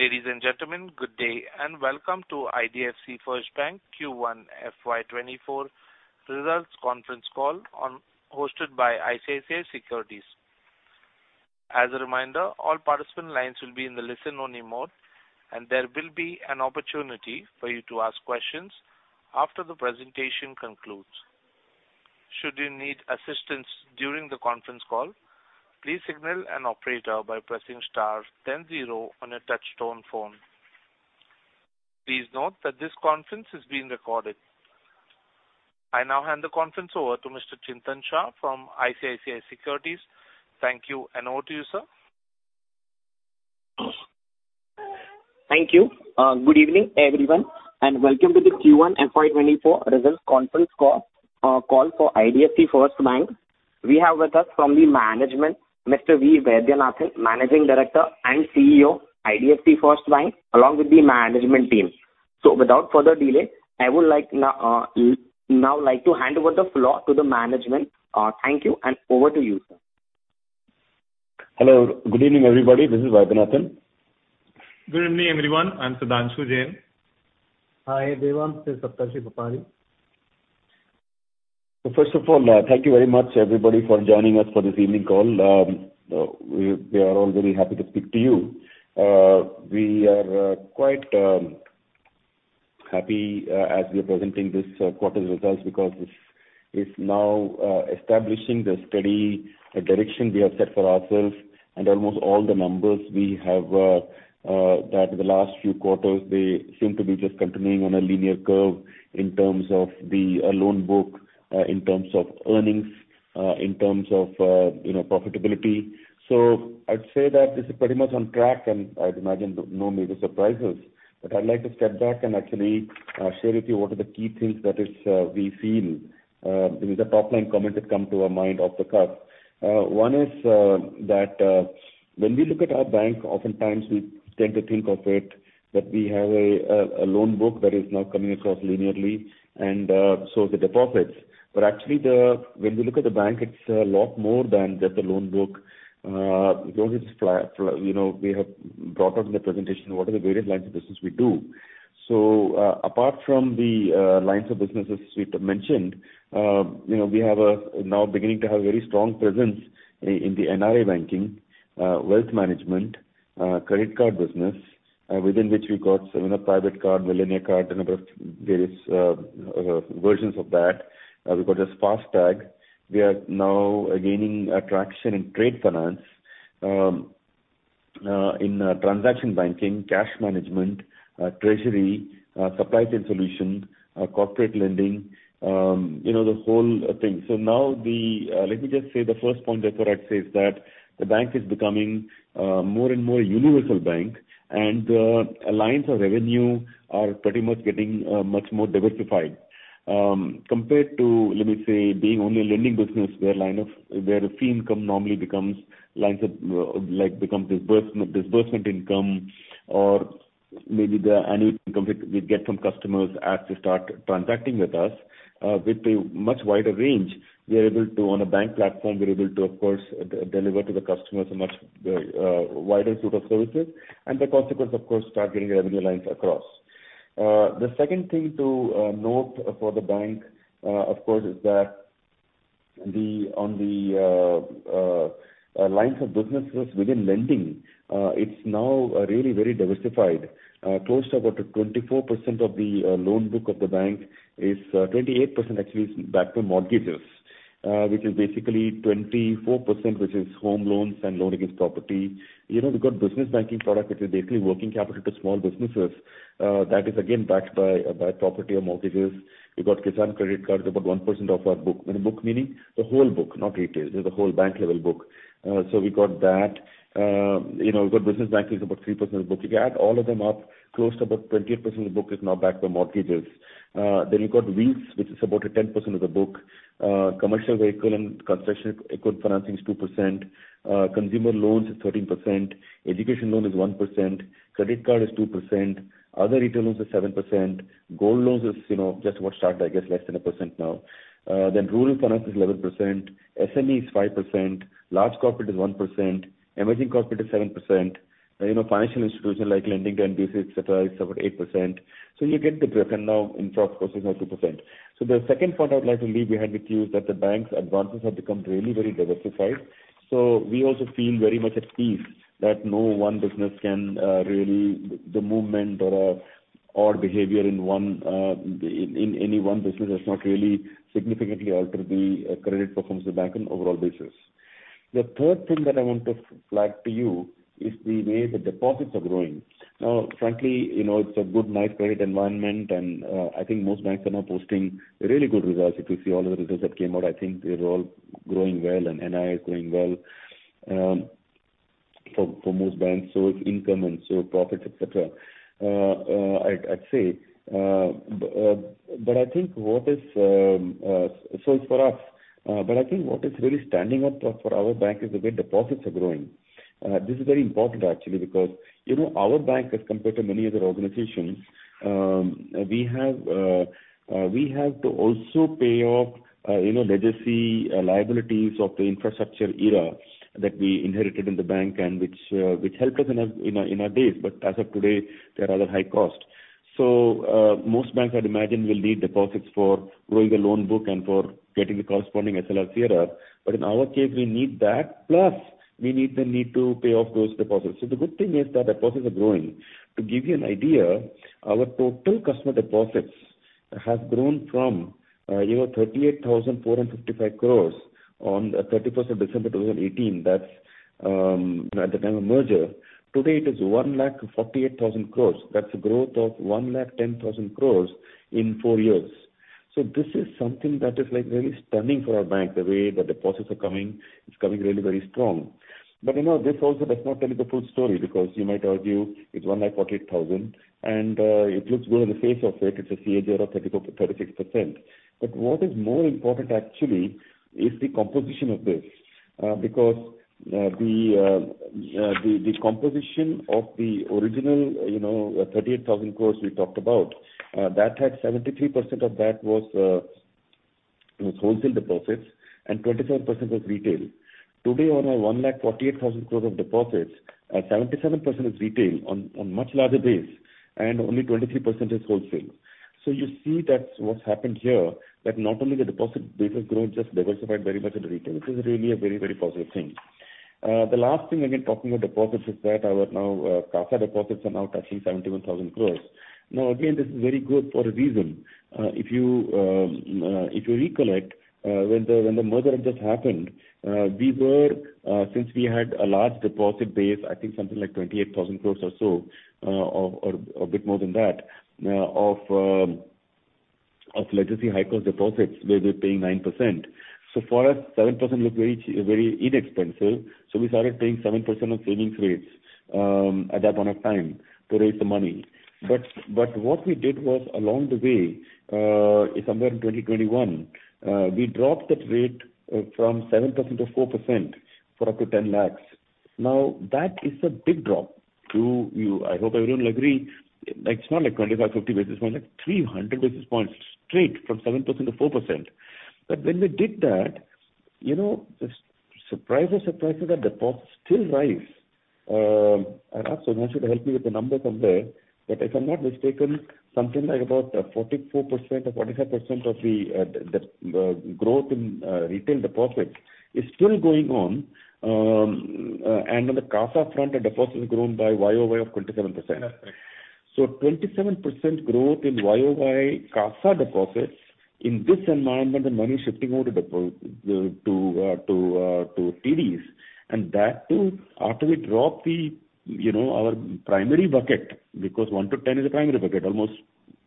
Ladies and gentlemen, good day. Welcome to IDFC First Bank Q1 FY 2024 Results Conference Call on, hosted by ICICI Securities. As a reminder, all participant lines will be in the listen-only mode. There will be an opportunity for you to ask questions after the presentation concludes. Should you need assistance during the conference call, please signal an operator by pressing star then zero on your touch-tone phone. Please note that this conference is being recorded. I now hand the conference over to Mr. Chintan Shah from ICICI Securities. Thank you. Over to you, sir. Thank you. Good evening, everyone, and welcome to the Q1 FY 2024 Results Conference Call, call for IDFC First Bank. We have with us from the management, Mr. V. Vaidyanathan, Managing Director and CEO, IDFC First Bank, along with the management team. Without further delay, I would like now, now like to hand over the floor to the management. Thank you, and over to you, sir. Hello, good evening, everybody. This is Vaidyanathan. Good evening, everyone. I'm Sudhanshu Jain. Hi, everyone, this is Saptarshi Bapari. First of all, thank you very much, everybody, for joining us for this evening call. We, we are all very happy to speak to you. We are quite happy as we are presenting this quarter's results because it's, it's now establishing the steady direction we have set for ourselves. Almost all the numbers we have that the last few quarters, they seem to be just continuing on a linear curve in terms of the loan book, in terms of earnings, in terms of, you know, profitability. I'd say that this is pretty much on track, and I'd imagine no major surprises. I'd like to step back and actually, share with you what are the key things that is, we feel, the top-line comments that come to our mind off the cuff. One is, that, when we look at our bank, oftentimes we tend to think of it, that we have a, a loan book that is now coming across linearly and, so the deposits. Actually, the, when we look at the bank, it's a lot more than just the loan book. Because it's, you know, we have brought up in the presentation what are the various lines of business we do. Apart from the lines of businesses we've mentioned, you know, we have a, now beginning to have very strong presence in the NRI Banking, wealth management, credit card business, within which we got, you know, Private Card, Millennia Card, a number of various versions of that. We've got a FASTag. We are now gaining traction in trade finance, in transaction banking, cash management, treasury, supply chain solution, corporate lending, you know, the whole thing. Now, let me just say the first point that correct is that the bank is becoming more and more universal bank, and our lines of revenue are pretty much getting much more diversified. Compared to, let me say, being only a lending business where line of, where fee income normally becomes lines of, like, becomes disbursement, disbursement income or maybe the annual income that we get from customers as they start transacting with us. With a much wider range, we are able to, on a bank platform, we're able to, of course, deliver to the customers a much wider suite of services and the consequence, of course, start getting revenue lines across. The second thing to note for the bank, of course, is that the, on the, lines of businesses within lending, it's now really very diversified. Close to about 24% of the loan book of the bank is, 28% actually is backed by mortgages, which is basically 24%, which is home loans and loan against property. You know, we've got business banking product, which is basically working capital to small businesses, that is again backed by, by property or mortgages. We've got Kisan Credit Card is about 1% of our book. Book meaning, the whole book, not retail, this is the whole bank-level book. We got that. You know, we've got business banking is about 3% of the book. You add all of them up, close to about 28% of the book is now backed by mortgages. You've got Wheels, which is about 10% of the book. Commercial vehicle and construction equipment financing is 2%, consumer loans is 13%, education loan is 1%, credit card is 2%, other retail loans is 7%, gold loans is, you know, just what started, I guess, less than 1% now. Then rural finance is 11%, SME is 5%, large corporate is 1%, emerging corporate is 7%. You know, financial institutions like lending to NBFC, et cetera, is about 8%. You get the picture now, in fact, of course, it's now 2%. The second point I'd like to leave behind with you is that the bank's advances have become really very diversified. We also feel very much at peace that no one business can really, the movement or, or behavior in one in any one business does not really significantly alter the credit performance of the bank on overall basis. The third thing that I want to flag to you is the way the deposits are growing. Now, frankly, you know, it's a good, nice credit environment, and I think most banks are now posting really good results. If you see all of the results that came out, I think they're all growing well and NRI is growing well, for, for most banks, so is income and so profits, et cetera. I'd, I'd say, but I think what is... It's for us, but I think what is really standing out for, for our bank is the way deposits are growing. This is very important actually, because, you know, our bank, as compared to many other organizations, we have, we have to also pay off, you know, legacy liabilities of the infrastructure era that we inherited in the bank, and which, which helped us in our, in our, in our days. As of today, they're rather high cost. Most banks, I'd imagine, will need deposits for growing the loan book and for getting the corresponding SLR CRR. In our case, we need that, plus we need the need to pay off those deposits. The good thing is that deposits are growing. To give you an idea, our total customer deposits have grown from, you know, 38,455 crore on December 31, 2018. That's at the time of merger. Today, it is 148,000 crore. That's a growth of 110,000 crore in four years. This is something that is, like, really stunning for our bank. The way the deposits are coming, it's coming really very strong. You know, this also does not tell you the full story, because you might argue it's 148,000 crore, and it looks good on the face of it. It's a CAGR of 34%-36%. What is more important actually is the composition of this. Because the composition of the original, you know, 38,000 crore we talked about, that had 73% of that was wholesale deposits and 27% was retail. Today, on our 148,000 crore of deposits, 77% is retail on, on much larger base, and only 23% is wholesale. You see that what's happened here, that not only the deposit base has grown, just diversified very much in retail, this is really a very, very positive thing. The last thing, again, talking about deposits, is that our now, CASA Deposits are now touching 71,000 crore. Again, this is very good for a reason. If you recollect, when the merger had just happened, we were, since we had a large deposit base, I think something like 28,000 crore or so, or a bit more than that, of legacy high cost deposits, where we're paying 9%. For us, 7% looked very inexpensive, so we started paying 7% of savings rates, at that point of time to raise the money. What we did was, along the way, in somewhere in 2021, we dropped that rate, from 7% to 4% for up to 10 lakh. That is a big drop to you. I hope everyone will agree. Like, it's not like 25, 50 basis points, like, 300 basis points straight from 7% to 4%. When we did that, you know, the surprise or surprises are deposits still rise. And also Mansi to help me with the numbers from there, but if I'm not mistaken, something like about 44% or 45% of the growth in retail deposits is still going on. And on the CASA front, the deposits have grown by YOY of 27%. That's right. 27% growth in year-over-year CASA Deposits in this environment, the money is shifting out of the DEPT to TDS, and that too, after we drop the, you know, our primary bucket, because one to 10 is a primary bucket, almost,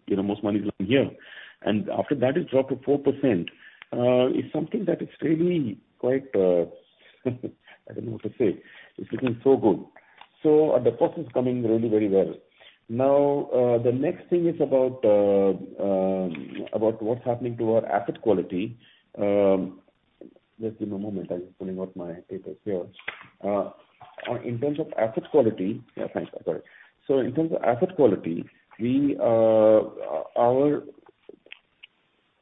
you know, most money is lying here. After that is dropped to 4%, is something that is really quite, I don't know what to say. It's looking so good. Our deposits coming really very well. Now, the next thing is about, about what's happening to our asset quality. Just give me a moment. I'm just pulling out my papers here. In terms of asset quality... Yeah, thanks. Sorry. In terms of asset quality, we, our,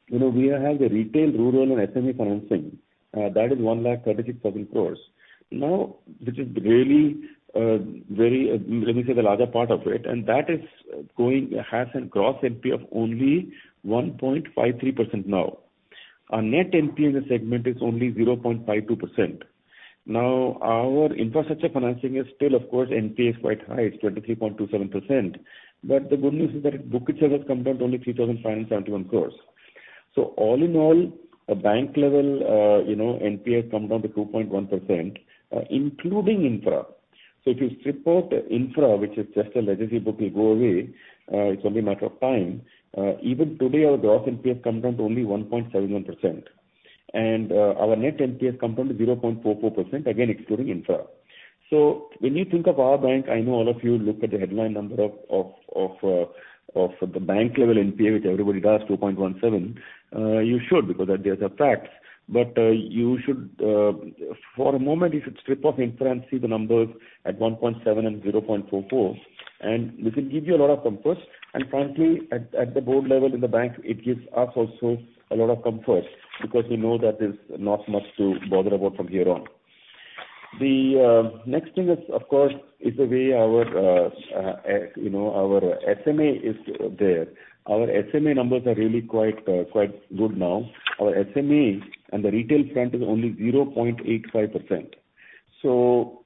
you know, we have the retail, rural and SME financing, that is 136,000 crore. This is really, very, let me say the larger part of it, and that is going, has a Gross NPA of only 1.53% now. Our Net NPA in the segment is only 0.52%. Our infrastructure financing is still, of course, NPA is quite high, it's 23.27%. The good news is that its book itself has come down to only 3,571 crore. All in all, a bank level, you know, NPA has come down to 2.1%, including infra. If you strip out infra, which is just a legacy book, will go away, it's only a matter of time. Even today, our Gross NPA has come down to only 1.71%, and our Net NPA has come down to 0.44%, again, excluding infra. When you think of our bank, I know all of you look at the headline number of the bank-level NPA, which everybody does, 2.17. You should, because that there's a fact. For a moment, you should strip off infra and see the numbers at 1.7 and 0.44, and this will give you a lot of comfort. Frankly, at, at the board level in the bank, it gives us also a lot of comfort because we know that there's not much to bother about from here on. The next thing is, of course, is the way our, you know, our SMA is there. Our SMA numbers are really quite good now. Our SMA on the retail front is only 0.85%. So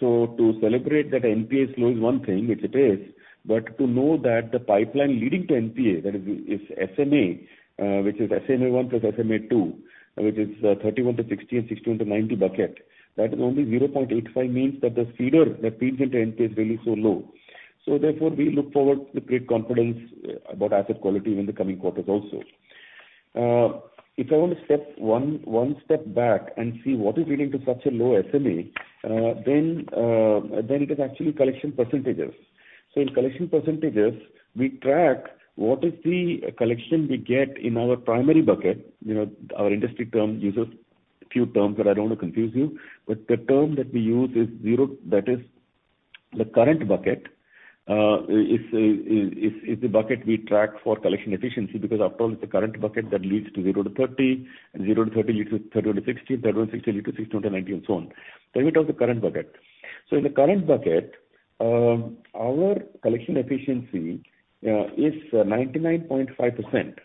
to celebrate that NPA is low is one thing, which it is, but to know that the pipeline leading to NPA, that is, is SMA, which is SMA-1 plus SMA-2, which is 31-60 and 60-90 bucket, that is only 0.85, means that the feeder that feeds into NPA is really so low. We look forward with great confidence about asset quality in the coming quarters also. If I want to step one step back and see what is leading to such a low SMA, then it is actually collection percentages. In collection percentages, we track what is the collection we get in our primary bucket. You know, our industry term uses a few terms, but I don't want to confuse you. The term that we use is zero. That is the current bucket is the bucket we track for collection efficiency, because after all, it's the current bucket that leads to 0-30, and 0-30 leads to 30-60, 30-60 lead to 60-90 and so on. Tell me about the current bucket. In the current bucket, our collection efficiency is 99.5%.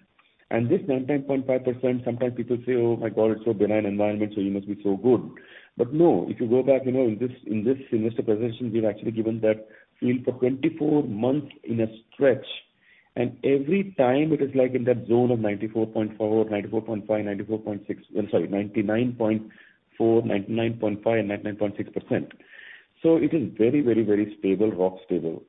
This 99.5%, sometimes people say, "Oh, my God, it's so benign environment, so you must be so good." No, if you go back, you know, in this, in this semester presentation, we've actually given that feel for 24 months in a stretch, and every time it is like in that zone of 94.4, 94.5, 94.6... I'm sorry, 99.4, 99.5, and 99.6%. It is very, very, very stable, rock stable.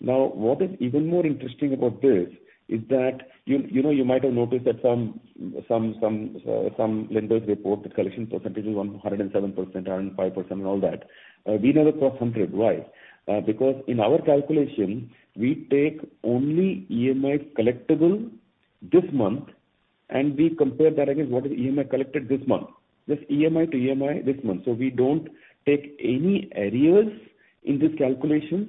What is even more interesting about this is that you, you know, you might have noticed that some, some, some, some lenders report the collection percentage is 107%, 105% and all that. We never cross 100. Why? Because in our calculation, we take only EMIs collectible this month, and we compare that against what is EMI collected this month. Just EMI to EMI this month. We don't take any arrears in these calculations,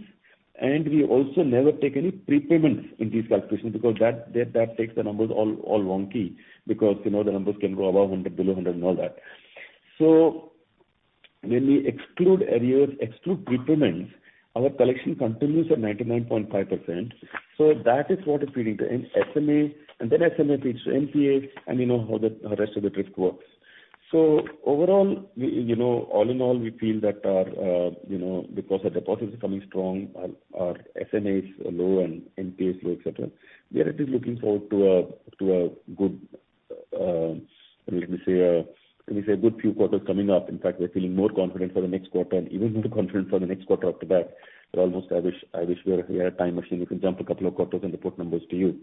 and we also never take any prepayments in these calculations because that takes the numbers all, all wonky, because, you know, the numbers can go above 100, below 100 and all that. When we exclude arrears, exclude prepayments, our collection continues at 99.5%. That is what is feeding the SMA, and then SMA feeds to NPA, and you know how the, the rest of the drift works. Overall, we, you know, all in all, we feel that our, you know, because our deposits are coming strong, our, our SMA is low and NPA is low, et cetera. We are actually looking forward to a good, let me say, let me say a good few quarters coming up. In fact, we're feeling more confident for the next quarter and even more confident for the next quarter after that. Almost I wish, I wish we were, we had a time machine, we can jump two quarters and report numbers to you.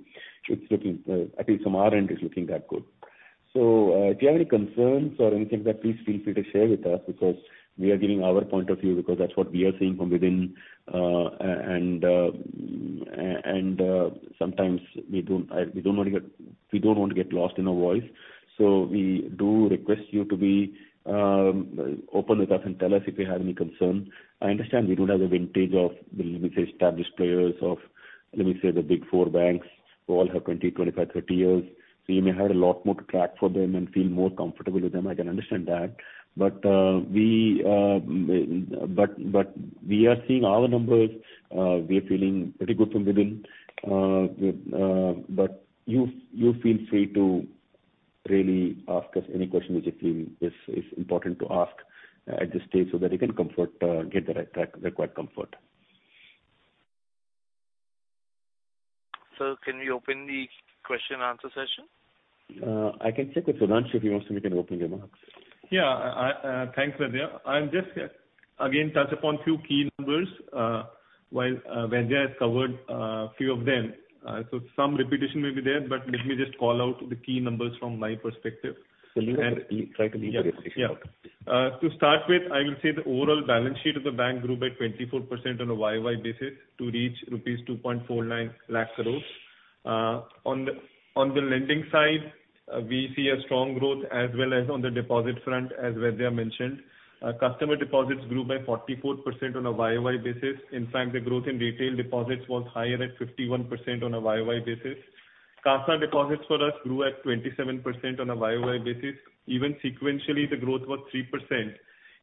It's looking, at least from our end, it's looking that good. If you have any concerns or anything like that, please feel free to share with us because we are giving our point of view, because that's what we are seeing from within. And, sometimes we don't, we don't want to get, we don't want to get lost in our voice. We do request you to be open with us and tell us if you have any concern. I understand we don't have the vintage of, let me say, established players of, let me say, the big four banks, who all have 20, 25, 30 years. You may have a lot more to track for them and feel more comfortable with them, I can understand that. We, but, but we are seeing our numbers, we are feeling pretty good from within. You, you feel free to really ask us any question which you feel is, is important to ask at this stage, so that you can comfort, get the right track, required comfort. Sir, can we open the question and answer session? I can check with Sudhanshu, if he wants to, we can open the remarks. Yeah, thanks, Vaidya. I'll just again, touch upon a few key numbers, while Vaidya has covered a few of them. Some repetition may be there, but let me just call out the key numbers from my perspective. Try to leave the repetition out. To start with, I will say the overall balance sheet of the bank grew by 24% on a year-over-year basis to reach rupees 249,000 crore. On the, on the lending side, we see a strong growth as well as on the deposit front, as Venya mentioned. Customer deposits grew by 44% on a year-over-year basis. In fact, the growth in retail deposits was higher at 51% on a year-over-year basis. CASA Deposits for us grew at 27% on a year-over-year basis. Even sequentially, the growth was 3%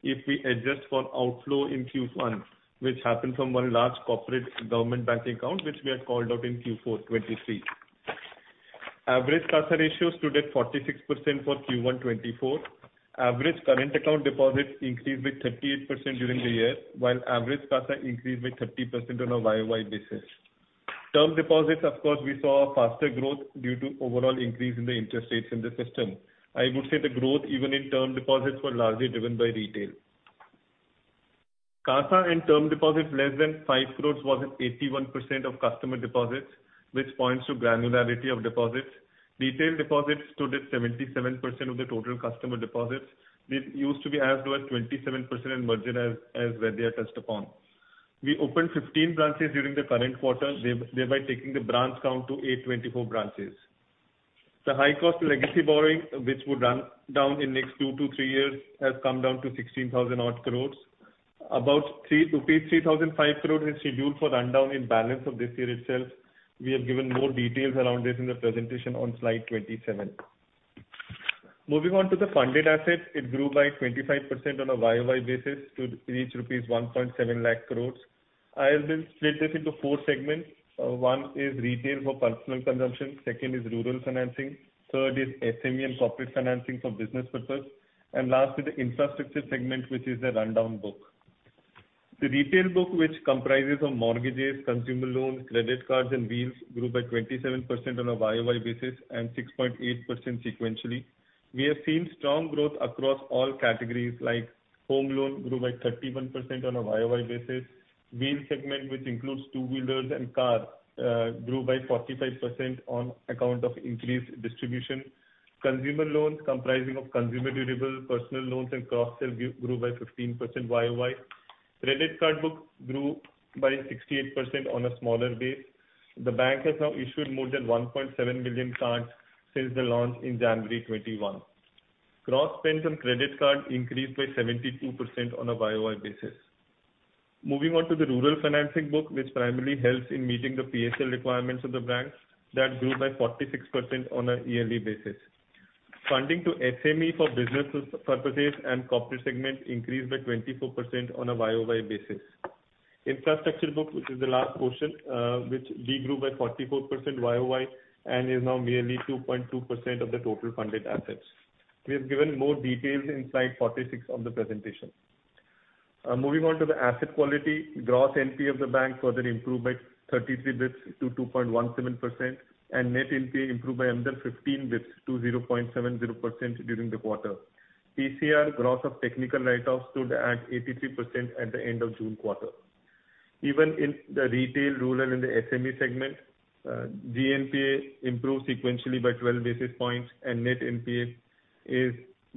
if we adjust for outflow in Q1, which happened from one large corporate government bank account, which we had called out in Q4 2023. Average CASA ratio stood at 46% for Q1 2024. Average current account deposits increased by 38% during the year, while average CASA increased by 30% on a YOY basis. Term deposits, of course, we saw a faster growth due to overall increase in the interest rates in the system. I would say the growth, even in term deposits, were largely driven by retail. CASA and term deposits, less than 5 crore, was at 81% of customer deposits, which points to granularity of deposits. Retail deposits stood at 77% of the total customer deposits. This used to be as low as 27% in merger, as Venya touched upon. We opened 15 branches during the current quarter, thereby taking the branch count to 824 branches. The high cost of legacy borrowing, which would run down in next two-three years, has come down to 16,000 crore. About 3-3,005 crore is scheduled for rundown in balance of this year itself. We have given more details around this in the presentation on slide 27. Moving on to the funded assets, it grew by 25% on a YOY basis to reach rupees 170,000 crore. I will split this into four segments. One is retail for personal consumption, second is rural financing, third is SME and corporate financing for business purpose, and lastly, the infrastructure segment, which is the rundown book. The retail book, which comprises of mortgages, consumer loans, credit cards, and wheels, grew by 27% on a YOY basis and 6.8% sequentially. We have seen strong growth across all categories, like home loan grew by 31% on a YOY basis. Wheel segment, which includes two-wheelers and cars, grew by 45% on account of increased distribution. Consumer loans comprising of consumer durables, personal loans and cross sell grew, grew by 15% YOY. Credit card book grew by 68% on a smaller base. The bank has now issued more than 1.7 million cards since the launch in January 2021. Cross spend on credit card increased by 72% on a YOY basis. Moving on to the rural financing book, which primarily helps in meeting the PSL requirements of the bank, that grew by 46% on a yearly basis. Funding to SME for business purposes and corporate segment increased by 24% on a YOY basis. Infrastructure book, which is the last portion, which de-grew by 44% YOY, and is now merely 2.2% of the total funded assets. We have given more details in slide 46 on the presentation. Moving on to the asset quality, Gross NPA of the bank further improved by 33 bps to 2.17%, and Net NPA improved by another 15 bps to 0.70% during the quarter. PCR gross of technical write-offs stood at 83% at the end of June quarter. Even in the retail, rural, and the SME segment, GNPA improved sequentially by 12 basis points, and Net NPA is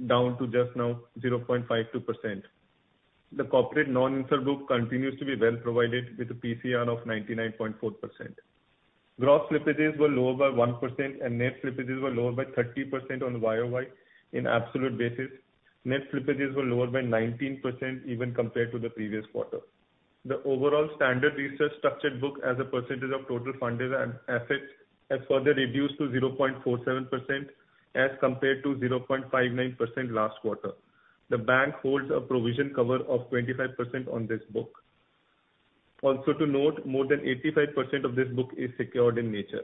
down to just now 0.52%. The corporate non-infra book continues to be well provided with a PCR of 99.4%. Gross slippages were lower by 1% and Net slippages were lower by 30% on YOY in absolute basis. Net slippages were lower by 19% even compared to the previous quarter. The overall standard research structured book as a percentage of total funded and assets, has further reduced to 0.47% as compared to 0.59% last quarter. The bank holds a provision cover of 25% on this book. Also to note, more than 85% of this book is secured in nature.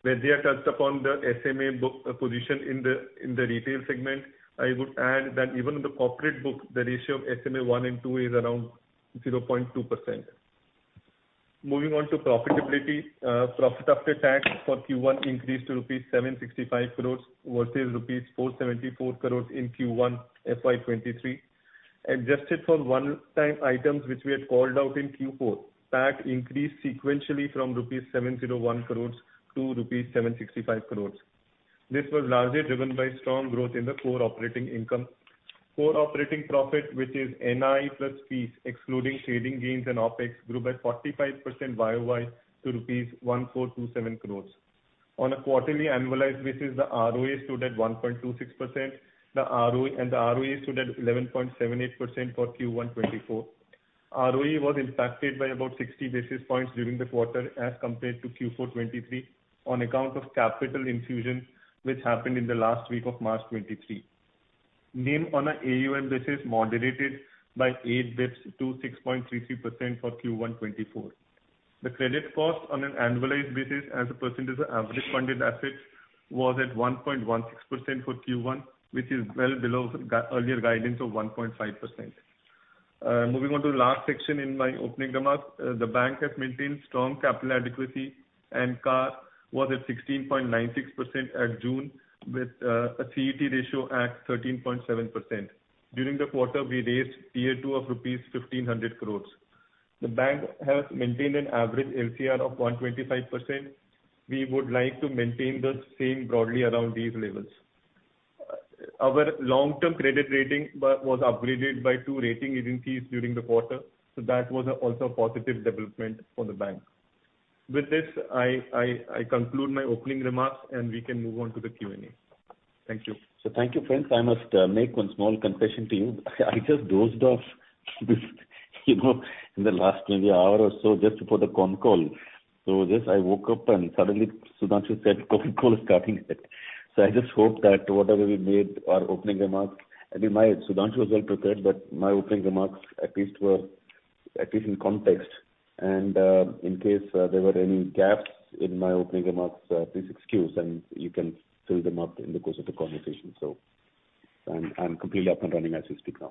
Where they are touched upon the SMA book, position in the, in the retail segment, I would add that even in the corporate book, the ratio of SMA-1 and 2 is around 0.2%. Moving on to profitability, profit after tax for Q1 increased to rupees 765 crores, versus rupees 474 crores in Q1, FY 2023. Adjusted for one-time items, which we had called out in Q4, PAT increased sequentially from rupees 701 crores to rupees 765 crores. This was largely driven by strong growth in the core operating income. Core operating profit, which is NI plus Fees, excluding trading gains and OpEx, grew by 45% YOY to rupees 1,427 crore. On a quarterly annualized basis, the ROA stood at 1.26%. The ROE stood at 11.78% for Q1 2024. ROE was impacted by about 60 basis points during the quarter as compared to Q4 2023, on account of capital infusion, which happened in the last week of March 2023. NIM on an AUM basis, moderated by 8 basis points to 6.33% for Q1 2024. The credit cost on an annualized basis as a percentage of average funded assets, was at 1.16% for Q1, which is well below the earlier guidance of 1.5%. Moving on to the last section in my opening remarks, the bank has maintained strong capital adequacy, and CAR was at 16.96% at June, with a CET ratio at 13.7%. During the quarter, we raised Tier II of rupees 1,500 crore. The bank has maintained an average LCR of 125%. We would like to maintain the same broadly around these levels. Our long-term credit rating but was upgraded by two rating agencies during the quarter, so that was also a positive development for the bank. With this, I, I, I conclude my opening remarks, and we can move on to the Q&A. Thank you. Thank you, friends. I must make one small confession to you. I just dozed off this, you know, in the last maybe hour or so, just before the con call. Just I woke up and suddenly Sudhanshu said, "Con call is starting." I just hope that whatever we made our opening remarks, I mean, my, Sudhanshu was well prepared, but my opening remarks at least were at least in context. In case there were any gaps in my opening remarks, please excuse and you can fill them up in the course of the conversation. I'm, I'm completely up and running as we speak now.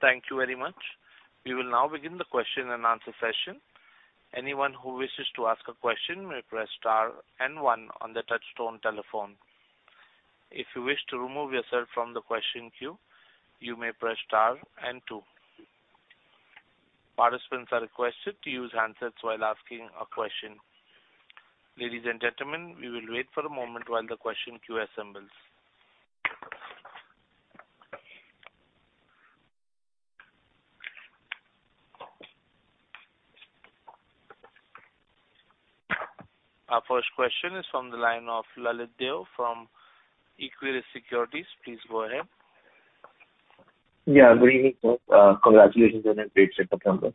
Thank you very much. We will now begin the question and answer session. Anyone who wishes to ask a question may press star and one on the touchtone telephone. If you wish to remove yourself from the question queue, you may press star and two. Participants are requested to use handsets while asking a question. Ladies and gentlemen, we will wait for a moment while the question queue assembles. Our first question is from the line of Lalit Deo from Equirus Securities. Please go ahead. Yeah, good evening, sir. Congratulations on a great set of numbers.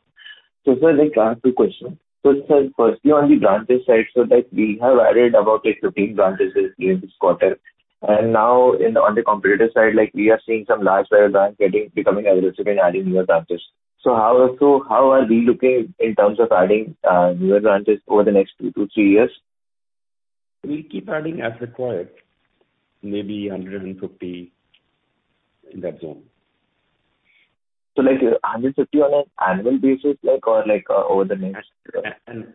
Sir, like, I have two questions. Sir, firstly, on the branches side, we have added about 15 branches in this quarter, and now on the competitor side, we are seeing some large private banks getting, becoming aggressive in adding new branches. How are we looking in terms of adding newer branches over the next two-three years? We'll keep adding as required, maybe 150, in that zone. like, 150 on an annual basis, like or like, over the next…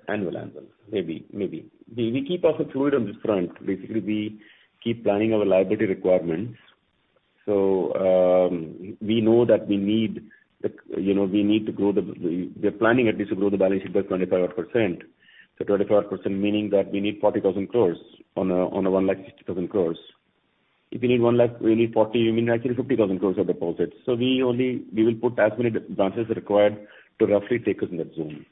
Annual annual, maybe, maybe. We, we keep also fluid on this front. Basically, we keep planning our liability requirements. We know that we need, you know, we need to grow the, we are planning at least to grow the balance sheet by 25% odd. 25% odd, meaning that we need 40,000 crore on a, on a 160,000 crore. If you need 100,000 crore, we need 40,000 crore, we mean actually 50,000 crore of deposits. We only, we will put as many branches as required to roughly take us in that zone.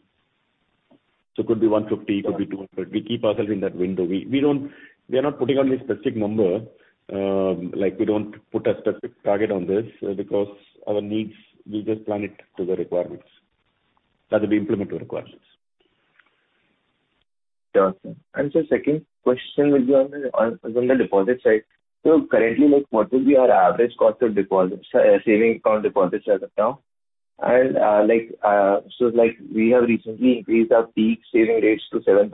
Could be 150, could be 200. We keep ourselves in that window. We, we don't, we are not putting on any specific number, like, we don't put a specific target on this, because our needs, we just plan it to the requirements, that will be implemented requirements. Sure, sir. Second question will be on the deposit side. Currently, like, what will be our average cost of deposits, savings account deposits as of now? Like we have recently increased our peak saving rates to 7%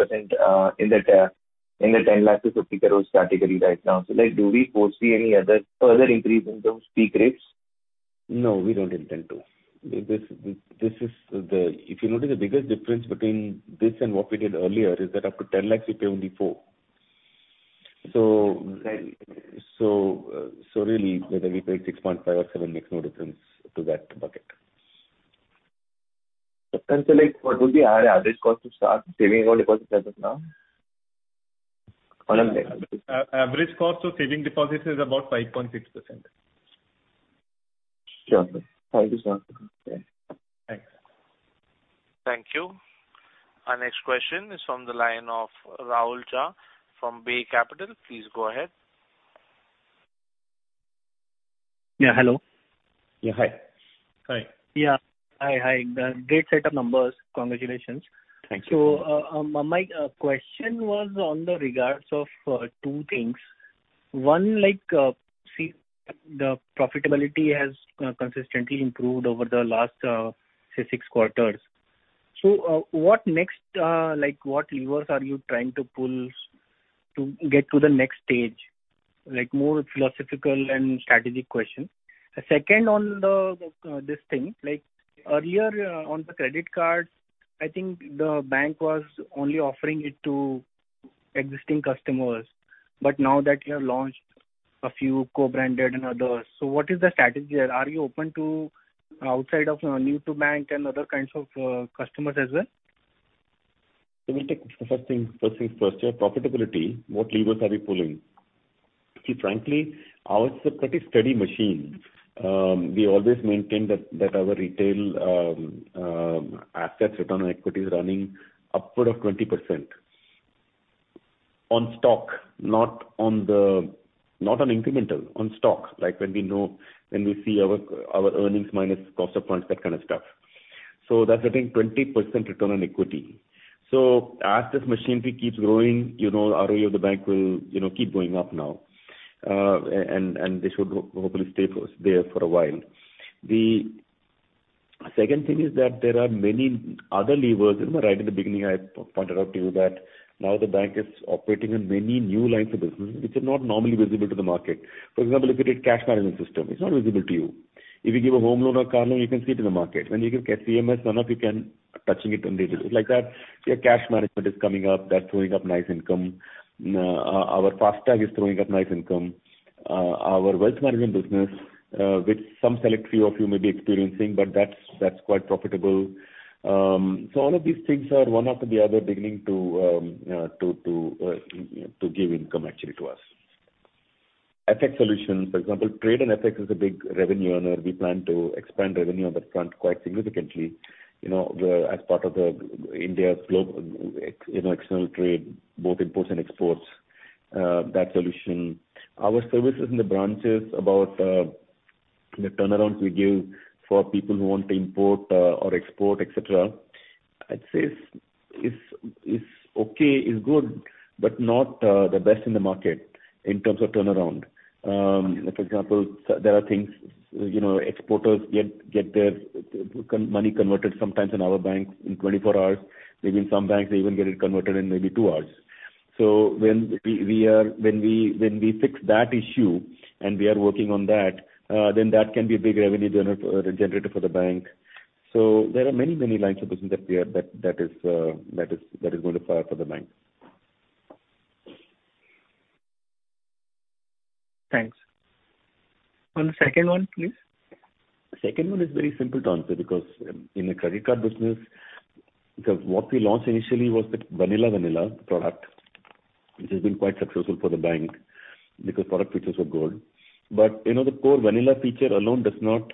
in the 0.1 crore-50 crore category right now. Like, do we foresee any other further increase in those peak rates? No, we don't intend to. This is the. If you notice, the biggest difference between this and what we did earlier is that up to 10 lakh, we pay only 4%. Really, whether we pay 6.5% or 7% makes no difference to that bucket. Then, like, what will be our average cost to start saving on deposits as of now? Average cost of saving deposits is about 5.6%. Sure, sir. Thank you, sir. Okay. Thanks. Thank you. Our next question is from the line of Rahul Jha, from Bay Capital. Please go ahead. Yeah, hello? Yeah, hi. Hi. Yeah. Hi, hi, great set of numbers. Congratulations. Thank you. My question was on the regards of two things. One, like, see, the profitability has consistently improved over the last, say, six quarters. What next, like, what levers are you trying to pull to get to the next stage? Like, more philosophical and strategic question. The second on the this thing, like, earlier, on the credit card, I think the bank was only offering it to existing customers. Now that you have launched a few co-branded and others, what is the strategy there? Are you open to outside of new to bank and other kinds of customers as well? Let me take the first thing, first things first. Your profitability, what levers are we pulling? See, frankly, ours is a pretty steady machine. We always maintain that, that our retail, assets return on equity is running upward of 20%. On stock, not on the, not on incremental, on stock, like when we know, when we see our, our earnings minus cost of funds, that kind of stuff. That's, I think, 20% return on equity. As this machinery keeps growing, you know, ROE of the bank will, you know, keep going up now, and this should hopefully stay for there for a while. The second thing is that there are many other levers. Remember, right in the beginning, I pointed out to you that now the bank is operating in many new lines of business, which are not normally visible to the market. For example, if you take cash management system, it's not visible to you. If you give a home loan or car loan, you can see it in the market. When you give CMS, none of you can touch it on day-to-day. Like that, your cash management is coming up, that's throwing up nice income. Our, our FASTag is throwing up nice income. Our wealth management business, which some select few of you may be experiencing, but that's, that's quite profitable. All of these things are one after the other, beginning to, to, to give income actually to us. FX solutions, for example, trade and FX is a big revenue earner. We plan to expand revenue on that front quite significantly, you know, where as part of the India, you know, external trade, both imports and exports, that solution. Our services in the branches about the turnaround we give for people who want to import or export, et cetera, I'd say it's, it's, it's okay, is good, but not the best in the market in terms of turnaround. Like, for example, there are things, you know, exporters get their money converted sometimes in our bank in 24 hours. Maybe in some banks, they even get it converted in maybe two hours. When we fix that issue, and we are working on that, then that can be a big revenue generator, generator for the bank. There are many, many lines of business that we are, that is going to fire for the bank. Thanks. On the second one, please? The second one is very simple to answer, because in the credit card business, because what we launched initially was the vanilla, vanilla product, which has been quite successful for the bank, because product features are good. you know, the core vanilla feature alone does not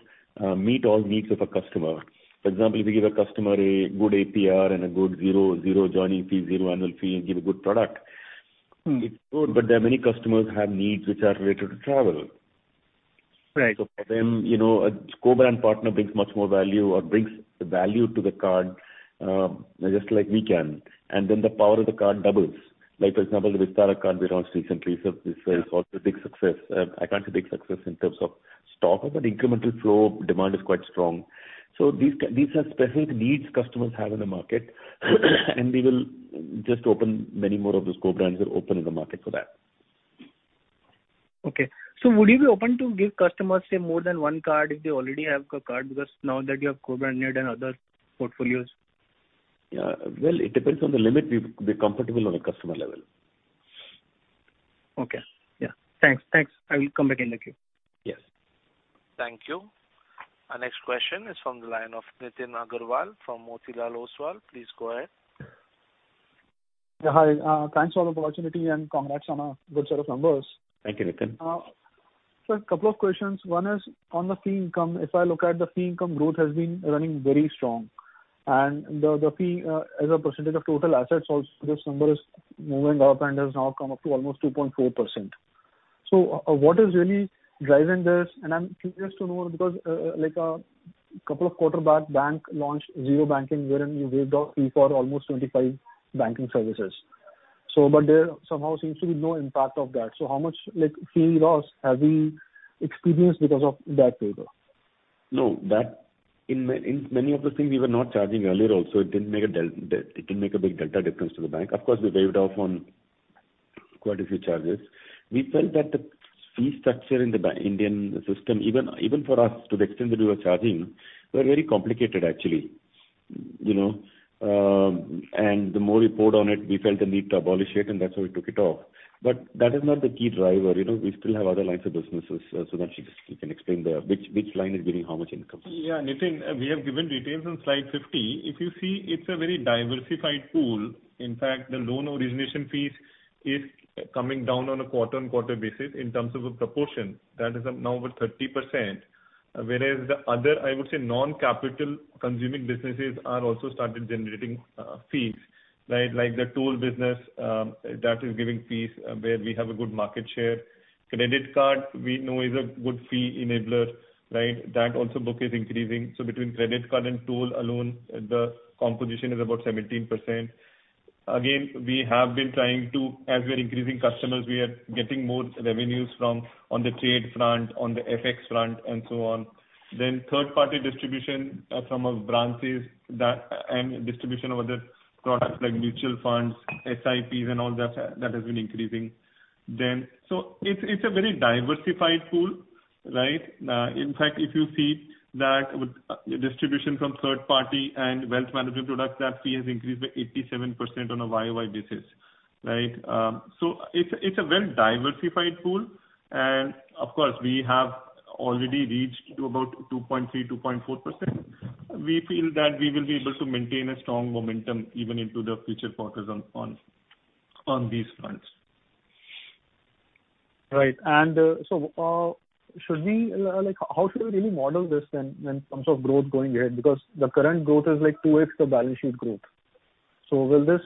meet all needs of a customer. For example, if you give a customer a good APR and a good zero, zero joining fee, zero annual fee, and give a good product- Mm. It's good. There are many customers who have needs which are related to travel. Right. For them, you know, a co-brand partner brings much more value or brings the value to the card, just like we can. Then the power of the card doubles. Like, for example, the Vistara card we launched recently, so this is also a big success. I can't say big success in terms of stock, but incremental flow demand is quite strong. These are specific needs customers have in the market, and we will just open many more of those co-brands will open in the market for that. Okay. Would you be open to give customers, say, more than one card if they already have a card? Because now that you have co-branded and other portfolios. Yeah, well, it depends on the limit we, we're comfortable on a customer level. Okay. Yeah, thanks, thanks. I will come back in the queue. Yes. Thank you. Our next question is from the line of Nitin Agarwal from Motilal Oswal. Please go ahead. Yeah, hi, thanks for the opportunity. Congrats on a good set of numbers. Thank you, Nitin. A couple of questions. One is on the fee income. If I look at the fee income, growth has been running very strong, and the, the fee, as a percentage of total assets also, this number is moving up and has now come up to almost 2.4%. What is really driving this? And I'm curious to know, because, like, a couple of quarter back, Bank launched Zero Fee Banking, wherein you waived off fee for almost 25 banking services. But there somehow seems to be no impact of that. How much, like, fee loss have we experienced because of that waiver? No, that in many of the things we were not charging earlier also, it didn't make a big delta difference to the bank. Of course, we waived off on quite a few charges. We felt that the fee structure in the Indian system, even, even for us, to the extent that we were charging, were very complicated, actually. You know, and the more we pored on it, we felt the need to abolish it, and that's why we took it off. That is not the key driver. You know, we still have other lines of businesses, so that you just, we can explain there, which, which line is giving how much income. Yeah, Nitin, we have given details on slide 50. If you see, it's a very diversified pool. In fact, the loan origination fees is coming down on a quarter-on-quarter basis in terms of a proportion that is up now over 30%. The other, I would say, non-capital consuming businesses are also started generating fees, right? Like the toll business, that is giving fees where we have a good market share. Credit card, we know is a good fee enabler, right? That also book is increasing. Between credit card and toll alone, the composition is about 17%. Again, we have been trying to, as we are increasing customers, we are getting more revenues from on the trade front, on the FX front, and so on. Third-party distribution from our branches, that, and distribution of other products like mutual funds, SIPs and all that, that has been increasing. It's, it's a very diversified pool, right? In fact, if you see that with distribution from third party and wealth management products, that fee has increased by 87% on a YOY basis, right? It's, it's a well-diversified pool, and of course, we have already reached to about 2.3%, 2.4%. We feel that we will be able to maintain a strong momentum even into the future quarters on, on, on these fronts. Right. Should we, like, how should we really model this then, in terms of growth going ahead? Because the current growth is like 2x, the balance sheet growth. Will this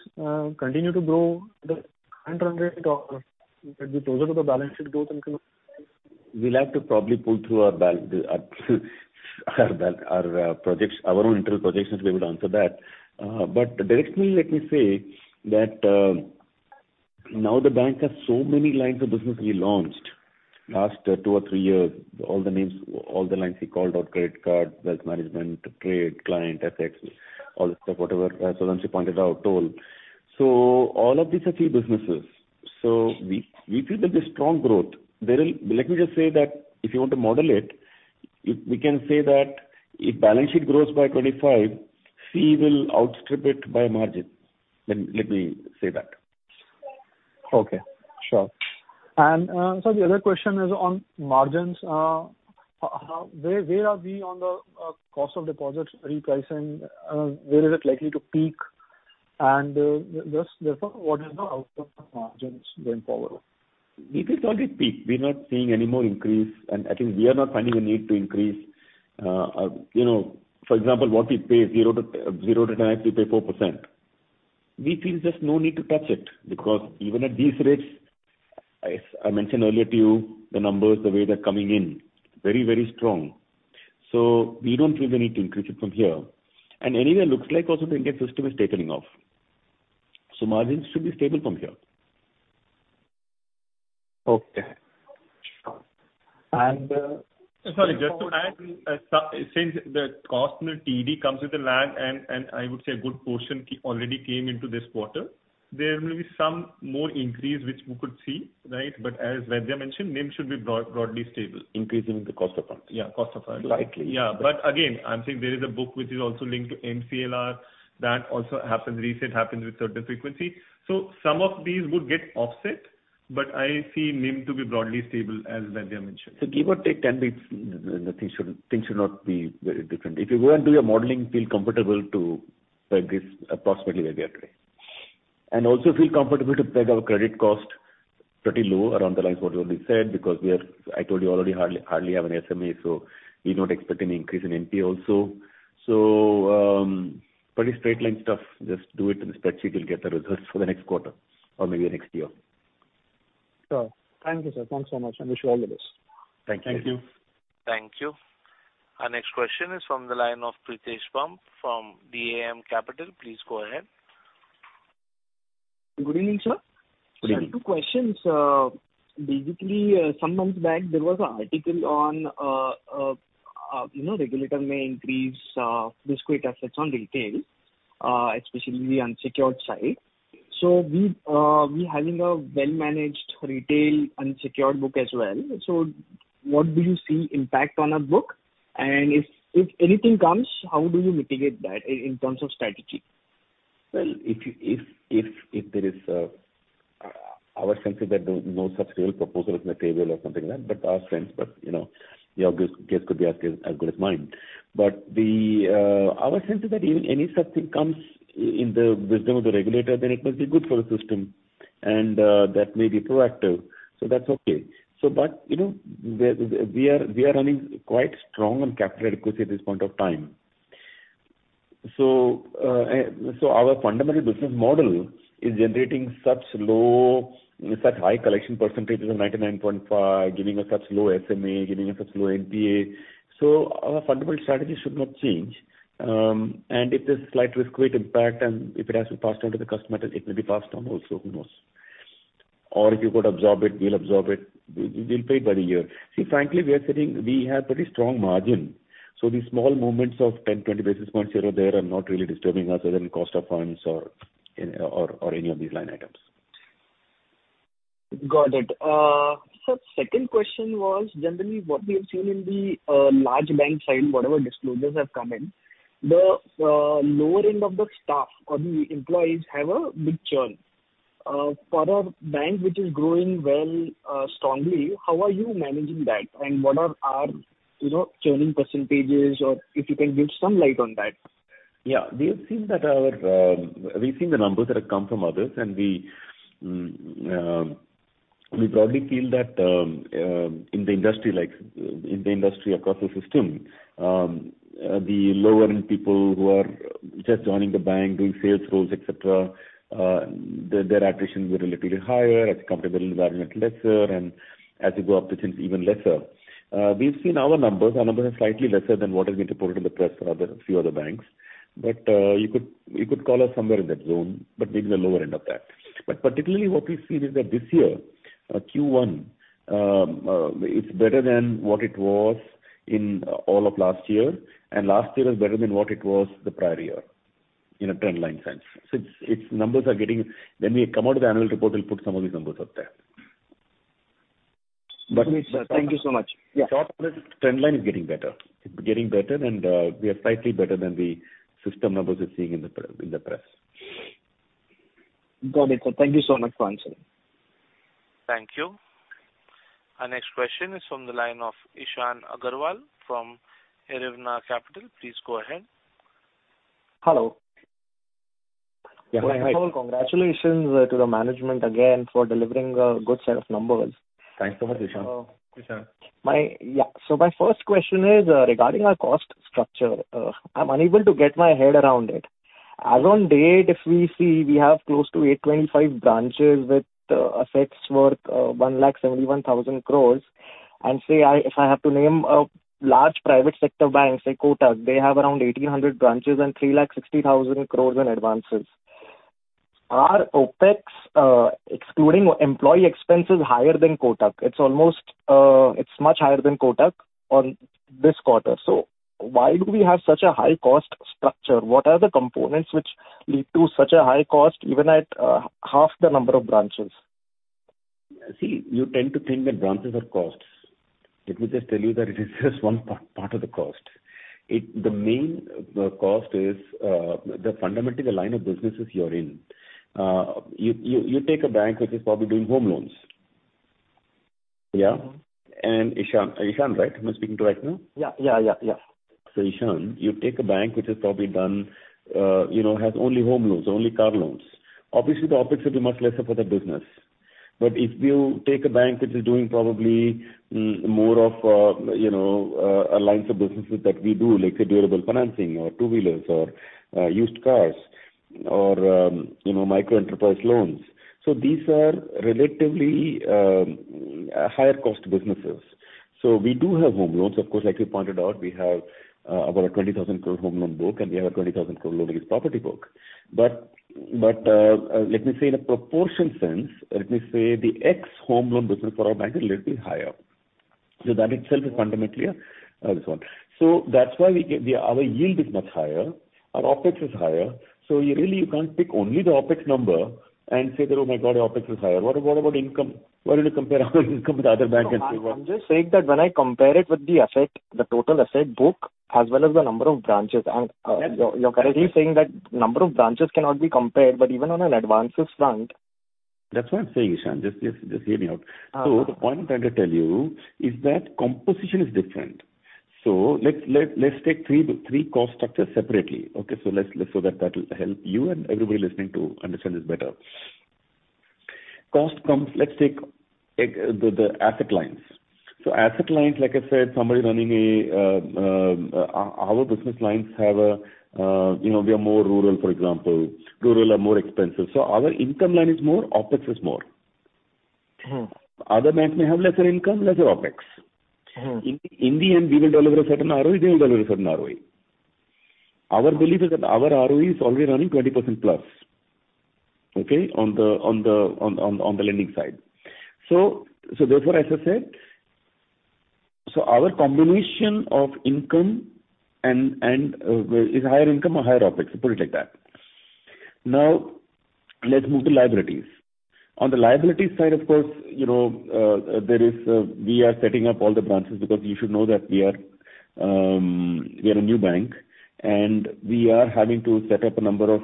continue to grow the current rate or will it be closer to the balance sheet growth in terms of growth? We'll have to probably pull through our projects, our own internal projections to be able to answer that. Directionally, let me say that, now the bank has so many lines of business we launched last two or three years. All the names, all the lines we called out, credit card, wealth management, trade, client, FX, all the stuff, whatever, Sudhanshu pointed out, toll. All of these are key businesses. We, we feel there'll be strong growth. There will... Let me just say that if you want to model it, we can say that if balance sheet grows by 25, fee will outstrip it by a margin. Let, let me say that. Okay, sure. The other question is on margins. Where, where are we on the cost of deposits repricing? Where is it likely to peak? Just therefore, what is the outcome of margins going forward? We think already peaked. We're not seeing any more increase, and I think we are not finding a need to increase. you know, for example, what we pay 0% to 9%, we pay 4%. We feel there's no need to touch it, because even at these rates, as I mentioned earlier to you, the numbers, the way they're coming in, very, very strong. We don't feel the need to increase it from here. Anyway, looks like also the Indian system is tapering off. Margins should be stable from here. Okay. Sure. Sorry, just to add, since the cost in the TD comes with a lag, and I would say a good portion already came into this quarter, there will be some more increase, which we could see, right? But as Vaidya mentioned, NIM should be broadly stable. Increase in the cost of funds. Yeah, cost of funds. Likely. Yeah, again, I'm saying there is a book which is also linked to MCLR. That also happens, reset happens with certain frequency. Some of these would get offset, but I see NIM to be broadly stable, as Vendya mentioned. Give or take 10 days, nothing should, things should not be very different. If you go and do your modeling, feel comfortable to peg this approximately where we are today. Also feel comfortable to peg our credit cost pretty low around the lines what already said, because we are, I told you already, hardly, hardly have an SMA, so we don't expect any increase in NP also. Pretty straight line stuff. Just do it in a spreadsheet, you'll get the results for the next quarter or maybe next year. Sure. Thank you, sir. Thanks so much, and wish you all the best. Thank you. Thank you. Thank you. Our next question is from the line of Pritesh Bumb from DAM Capital. Please go ahead. Good evening, sir. Good evening. Sir, two questions. basically, some months back, there was an article on, you know, regulator may increase, risk weight assets on retail, especially the unsecured side. We, we having a well-managed retail and secured book as well. What do you see impact on our book? If, if anything comes, how do you mitigate that in terms of strategy? Well, if, if, if, if there is, our sense is that there's no such real proposal on the table or something like that, but our sense, but, you know, your guess, guess could be as good, as good as mine. The, our sense is that if any such thing comes in the wisdom of the regulator, then it will be good for the system, and, that may be proactive, so that's okay. But, you know, we are, we are running quite strong on capital adequacy at this point of time. Our fundamental business model is generating such low, such high collection percentages of 99.5%, giving us such low SMA, giving us such low NPA, so our fundamental strategy should not change. If there's slight risk-weight impact, and if it has to be passed on to the customer, it will be passed on also, who knows? If you've got to absorb it, we'll absorb it. We, we'll pay it by the year. See, frankly, we are sitting, we have very strong margin, so these small movements of 10, 20 basis points here or there are not really disturbing us, whether in cost of funds or, or, or any of these line items. Got it. sir, second question was, generally, what we have seen in the large bank side, whatever disclosures have come in, the lower end of the staff or the employees have a big churn. For a bank which is growing well, strongly, how are you managing that? What are our, you know, churning %, or if you can give some light on that. Yeah. We have seen that our, we've seen the numbers that have come from others. We probably feel that, in the industry, like, in the industry across the system, the lower-end people who are just joining the bank, doing sales roles, et cetera, their, their attrition will be a little higher, as comfortable environment lesser, and as you go up the chain, even lesser. We've seen our numbers. Our numbers are slightly lesser than what has been reported in the press for other, a few other banks. You could, you could call us somewhere in that zone, but maybe the lower end of that. Particularly what we've seen is that this year, Q1, it's better than what it was in all of last year, and last year was better than what it was the prior year, in a trendline sense. It's, it's numbers are getting... When we come out with the annual report, we'll put some of these numbers out there. But- Thank you so much. Yeah. Short list, trend line is getting better. It's getting better, and we are slightly better than the system numbers we're seeing in the press, in the press. Got it, sir. Thank you so much for answering. Thank you. Our next question is from the line of Ishan Agarwal from Erevna Capital. Please go ahead. Hello. Yeah, hi. Congratulations, to the management again for delivering a good set of numbers. Thanks so much, Ishan. Ishan. My, yeah. My first question is regarding our cost structure. I'm unable to get my head around it. As on date, if we see, we have close to 825 branches with assets worth 171,000 crore. Say, I, if I have to name a large private sector bank, say Kotak, they have around 1,800 branches and 360,000 crore in advances. Are OPEX, excluding employee expenses, higher than Kotak? It's almost, it's much higher than Kotak on this quarter. Why do we have such a high cost structure? What are the components which lead to such a high cost, even at half the number of branches? See, you tend to think that branches are costs. Let me just tell you that it is just one part, part of the cost. It, the main cost is the fundamental line of businesses you're in. You, you, you take a bank which is probably doing home loans. Yeah? Ishan, Ishan, right, am I speaking to right now? Yeah. Yeah, yeah, yeah. Ishan, you take a bank which has probably done, you know, has only home loans, only car loans. Obviously, the OpEx will be much lesser for that business. If you take a bank which is doing probably, more of, you know, a lines of businesses that we do, like say durable financing or two-wheelers or used cars or, you know, micro enterprise loans, these are relatively, higher-cost businesses. We do have home loans. Of course, like you pointed out, we have about a 20,000 crore home loan book, and we have a 20,000 crore loan against property book. But, but, let me say in a proportion sense, let me say the X home loan business for our bank is little higher. That itself is fundamentally a, this one. That's why we get, we, our yield is much higher, our OpEx is higher. You really, you can't pick only the OpEx number and say that: Oh, my God, our OpEx is higher. What about, what about income? Why don't you compare our income with the other bank and say what... I'm just saying that when I compare it with the asset, the total asset book, as well as the number of branches. You're correctly saying that number of branches cannot be compared. Even on an advances front... That's why I'm saying, Ishan, just, just, just hear me out. Uh-huh. The point I'm trying to tell you is that composition is different. Let's, let's, let's take three, three cost structures separately. Okay? Let's, so that, that will help you and everybody listening to understand this better. Cost comes, let's take the, the asset lines. Asset lines, like I said, somebody running a, our business lines have a, you know, we are more rural, for example. Rural are more expensive, so our income line is more, OpEx is more. Hmm. Other banks may have lesser income, lesser OpEx. Hmm. In the end, we will deliver a certain ROE, they will deliver a certain ROE. Our belief is that our ROE is already running 20% plus, okay, on the lending side. Therefore, as I said-... Our combination of income and is higher income or higher OpEx, put it like that. Let's move to liabilities. On the liability side, of course, you know, there is, we are setting up all the branches because you should know that we are a new bank, and we are having to set up a number of,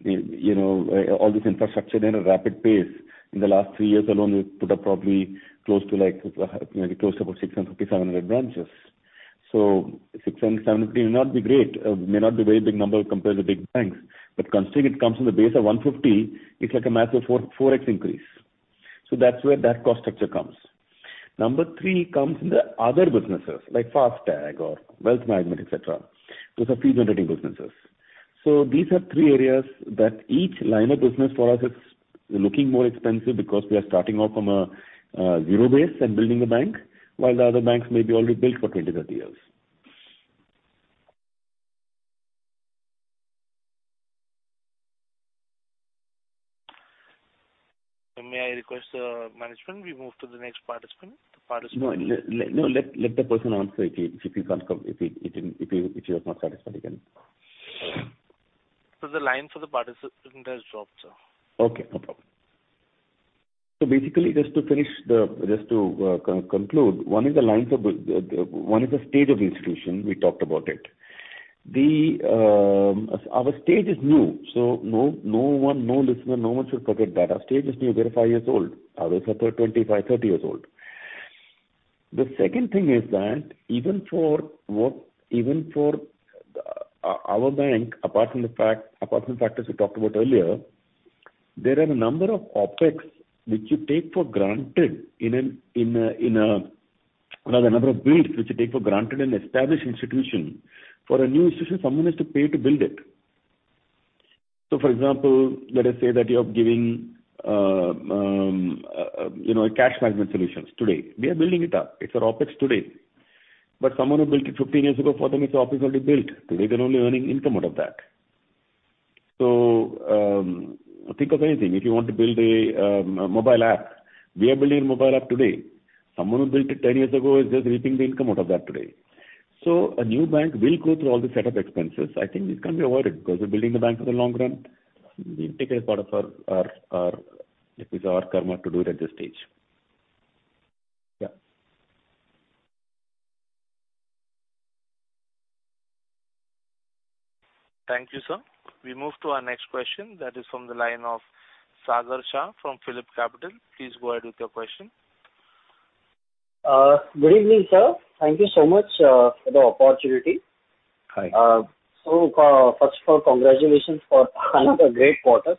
you know, all this infrastructure in a rapid pace. In the last three years alone, we've put up probably close to, like, 650, 700 branches. 670 may not be great, may not be a very big number compared to big banks, but consider it comes from the base of 150, it's like a massive 4x, 4x increase. That's where that cost structure comes. Number three comes in the other businesses, like FASTag or wealth management, et cetera. Those are fee-generating businesses. These are three areas that each line of business for us is looking more expensive because we are starting off from a zero base and building a bank, while the other banks may be already built for 20, 30 years. May I request, management, we move to the next participant? Participant- No, let the person answer if he comes up, if he was not satisfied, he can. The line for the participant has dropped, sir. Okay, no problem. Basically, just to finish the, just to conclude, one is the lines of one is the stage of institution, we talked about it. The our stage is new, so no, no one, no listener, no one should forget that. Our stage is new. We are five years old, others are 25, 30 years old. The second thing is that even for what, even for our bank, apart from the fact, apart from the factors we talked about earlier, there are a number of OpEx which you take for granted in an, rather, number of builds, which you take for granted in an established institution. For a new institution, someone has to pay to build it. For example, let us say that you are giving, you know, a cash management solutions today. We are building it up. It's our OpEx today. Someone who built it 15 years ago, for them, it's OpEx already built. Today, they're only earning income out of that. Think of anything. If you want to build a mobile app, we are building a mobile app today. Someone who built it 10 years ago is just reaping the income out of that today. A new bank will go through all the set of expenses. I think it can't be avoided, because we're building the bank for the long run. We take it as part of our, our, our, it is our karma to do it at this stage. Yeah. Thank you, sir. We move to our next question. That is from the line of Sagar Shah from PhillipCapital. Please go ahead with your question. Good evening, sir. Thank you so much, for the opportunity. Hi. First of all, congratulations for another great quarter.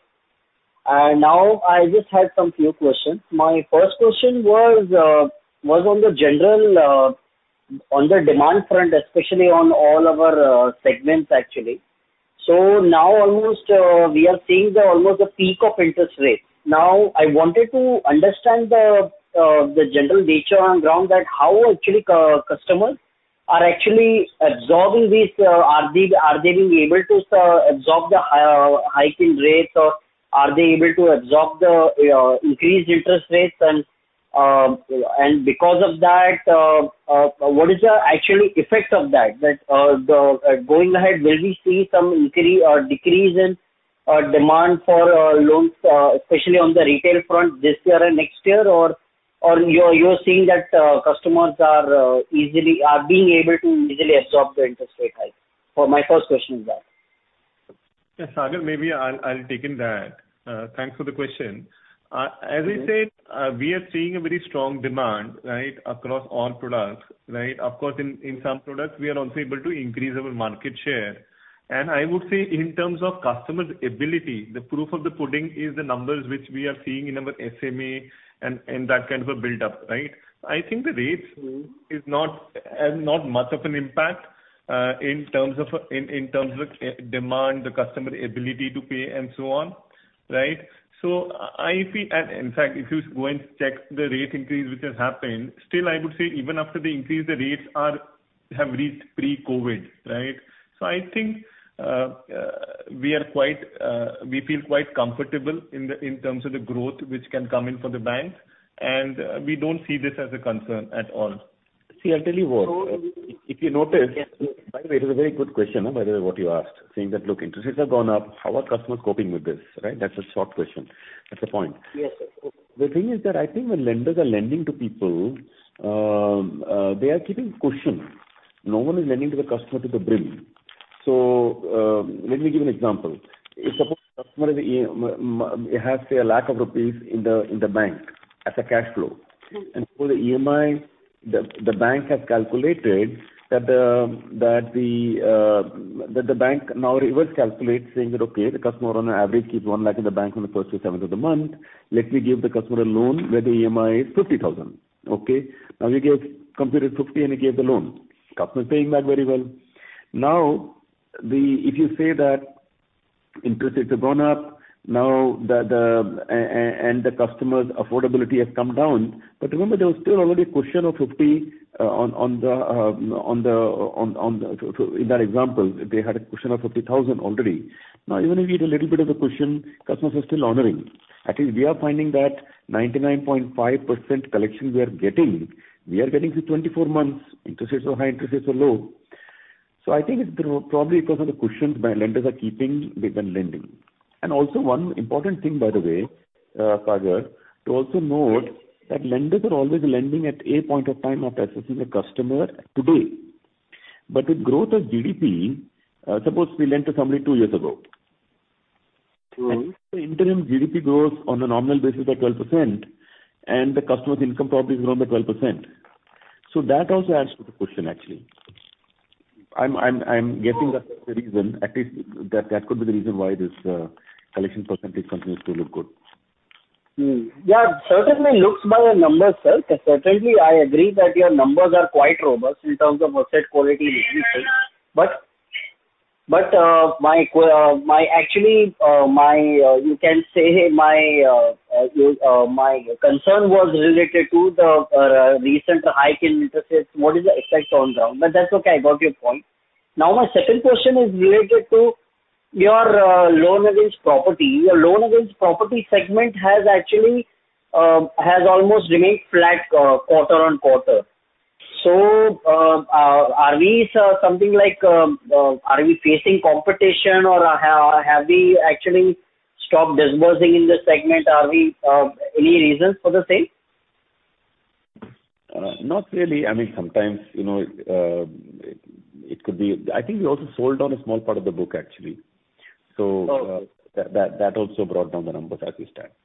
Now, I just have some few questions. My first question was on the general on the demand front, especially on all of our segments, actually. Now, almost we are seeing the almost the peak of interest rates. Now, I wanted to understand the general nature on ground that how actually customers are actually absorbing these, are they being able to absorb the hike in rates, or are they able to absorb the increased interest rates? Because of that, what is the actually effects of that? That, the, going ahead, will we see some increase or decrease in, demand for, loans, especially on the retail front this year and next year, or, or you're, you're seeing that, customers are, easily, are being able to easily absorb the interest rate hike? My first question is that. Yes, Sagar, maybe I'll, I'll take in that. Thanks for the question. As I said, we are seeing a very strong demand, right, across all products, right? Of course, in, in some products, we are also able to increase our market share. I would say in terms of customer's ability, the proof of the pudding is the numbers which we are seeing in our SMA and, and that kind of a buildup, right? I think the rates is not, has not much of an impact, in terms of, in, in terms of demand, the customer ability to pay, and so on, right? So I feel... In fact, if you go and check the rate increase which has happened, still, I would say even after the increase, the rates are, have reached pre-COVID, right?I think, we are quite, we feel quite comfortable in the, in terms of the growth which can come in for the bank, and, we don't see this as a concern at all. See, I'll tell you what. So- If you notice. Yes. By the way, it is a very good question, by the way, what you asked, saying that: Look, interest rates have gone up. How are customers coping with this, right? That's a short question. That's the point. Yes, sir. The thing is that, I think when lenders are lending to people, they are keeping cushion. No one is lending to the customer to the brim. Let me give you an example. If suppose customer is, he has, say, INR 1 lakh in the, in the bank as a cash flow. Mm-hmm. For the EMI, the bank has calculated that the bank now reverse calculates, saying that, "Okay, the customer on an average, keeps 1 lakh in the bank on the first to seventh of the month. Let me give the customer a loan, where the EMI is 50,000." Okay? Now, he gave, computed 50,000, and he gave the loan. Customer is paying back very well. Now, if you say that interest rates have gone up, the customer's affordability has come down, but remember, there was still already a cushion of 50,000. In that example, they had a cushion of 50,000 already. Now, even if we add a little bit of the cushion, customers are still honoring. At least we are finding that 99.5% collection we are getting, we are getting for 24 months, interest rates are high, interest rates are low. I think it's probably because of the cushions my lenders are keeping with the lending. Also one important thing, by the way, Sagar, to also note that lenders are always lending at a point of time of assessing a customer today. With growth of GDP, suppose we lent to somebody two years ago- Mm. The interim GDP grows on a nominal basis by 12%, and the customer's income probably is around the 12%. That also adds to the question actually. I'm, I'm, I'm guessing that's the reason, at least that, that could be the reason why this collection percentage continues to look good. Hmm. Yeah, certainly looks by the numbers, sir. Certainly, I agree that your numbers are quite robust in terms of asset quality, but, but my concern was related to the recent hike in interest rates. What is the effect on them? That's okay, I got your point. My second question is related to your loan against property. Your loan against property segment has actually has almost remained flat quarter-on-quarter. Are we facing competition or have, have we actually stopped disbursing in this segment? Are we any reasons for the same? Not really. I mean, sometimes, you know, it could be... I think we also sold on a small part of the book, actually. Oh. That, that also brought down the numbers at this time. Okay,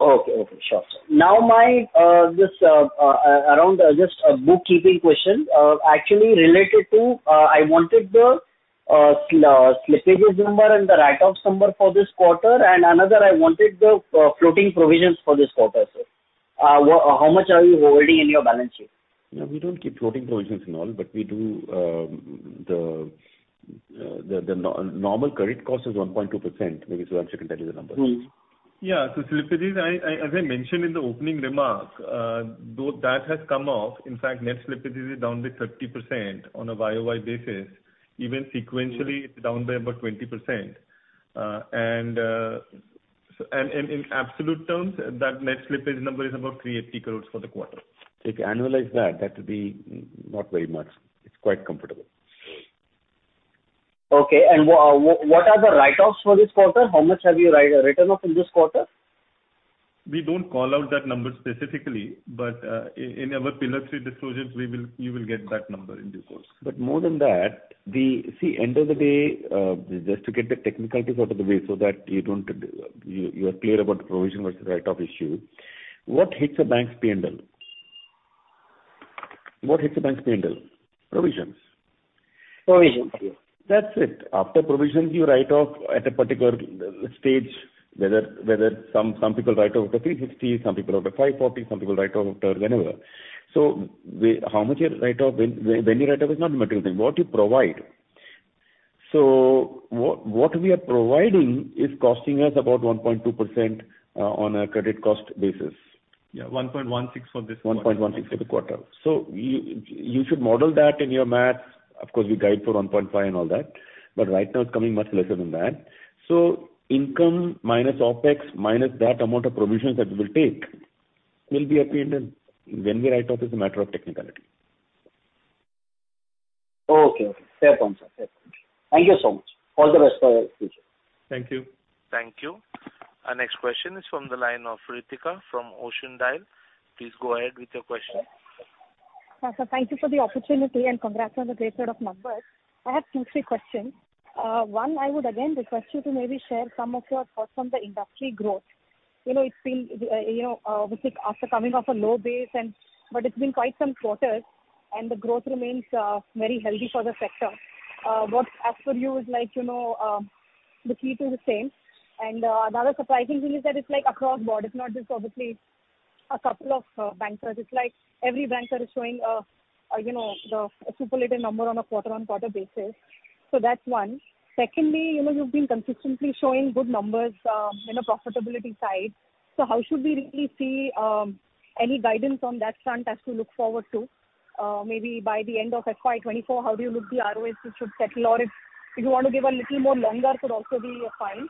okay, sure. Now, my, just, around just a bookkeeping question, actually related to, I wanted the slippages number and the write-offs number for this quarter, and another, I wanted the floating provisions for this quarter, sir. How much are you holding in your balance sheet? Yeah, we don't keep floating provisions and all, but we do, the, the no- normal credit cost is 1.2%. Maybe Sudhanshu can tell you the number. Hmm. Yeah. Slippages, I, I, as I mentioned in the opening remarks, though that has come off, in fact, net slippage is down by 30% on a YOY basis, even sequentially. Mm. -it's down by about 20%. In absolute terms, that net slippage number is about 380 crores for the quarter. If you annualize that, that would be not very much. It's quite comfortable. Okay. What, what are the write-offs for this quarter? How much have you written off in this quarter? We don't call out that number specifically, but, in, in our Pillar 3 disclosures, we will, you will get that number in due course. More than that, See, end of the day, just to get the technicalities out of the way so that you don't, you are clear about the provision versus write-off issue. What hits a bank's P&L? What hits a bank's P&L? Provisions. Provisions. That's it. After provisions, you write off at a particular stage, whether, whether some, some people write off the 360, some people over 540, some people write off whenever. How much you write off, when, when you write off is not the material thing, what you provide. What, what we are providing is costing us about 1.2% on a credit cost basis. Yeah, 1.16 for this quarter. 1.16% for the quarter. You, you should model that in your math. Of course, we guide for 1.5% and all that, but right now it's coming much lesser than that. Income minus OpEx, minus that amount of provisions that we will take, will be our P&L. When we write off is a matter of technicality. Okay. Okay. Fair point, sir. Fair point. Thank you so much. All the best for the future. Thank you. Thank you. Our next question is from the line of Ritika from Ocean Dial. Please go ahead with your question. Sir, thank you for the opportunity, and congrats on the great set of numbers. I have two, three questions. One, I would again request you to maybe share some of your thoughts on the industry growth. You know, it's been, you know, basic after coming off a low base and... but it's been quite some quarters, and the growth remains, very healthy for the sector. What as for you is like, you know, the key to the same? The other surprising thing is that it's like across board, it's not just obviously a couple of, banks. It's like every banker is showing, you know, the superlative number on a quarter on quarter basis. That's one. Secondly, you know, you've been consistently showing good numbers, in the profitability side. How should we really see, any guidance on that front as we look forward to, maybe by the end of FY 2024, how do you look the ROAs it should settle, or if you want to give a little more longer, could also be fine.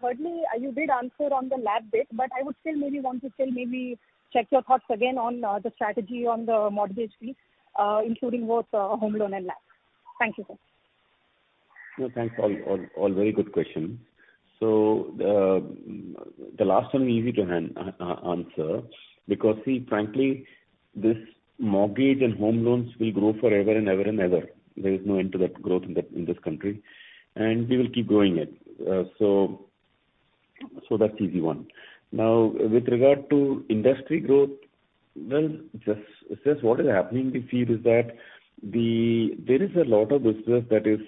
Thirdly, you did answer on the lab bit, but I would still maybe want to still maybe check your thoughts again on the strategy on the mortgage fee, including both, home loan and lab. Thank you, sir. No, thanks. All, all, all very good questions. The last one is easy to answer, because see, frankly, this mortgage and home loans will grow forever and ever and ever. There is no end to that growth in the, in this country, and we will keep growing it. So that's easy one. Now, with regard to industry growth, well, just, just what is happening we see is that there is a lot of business that is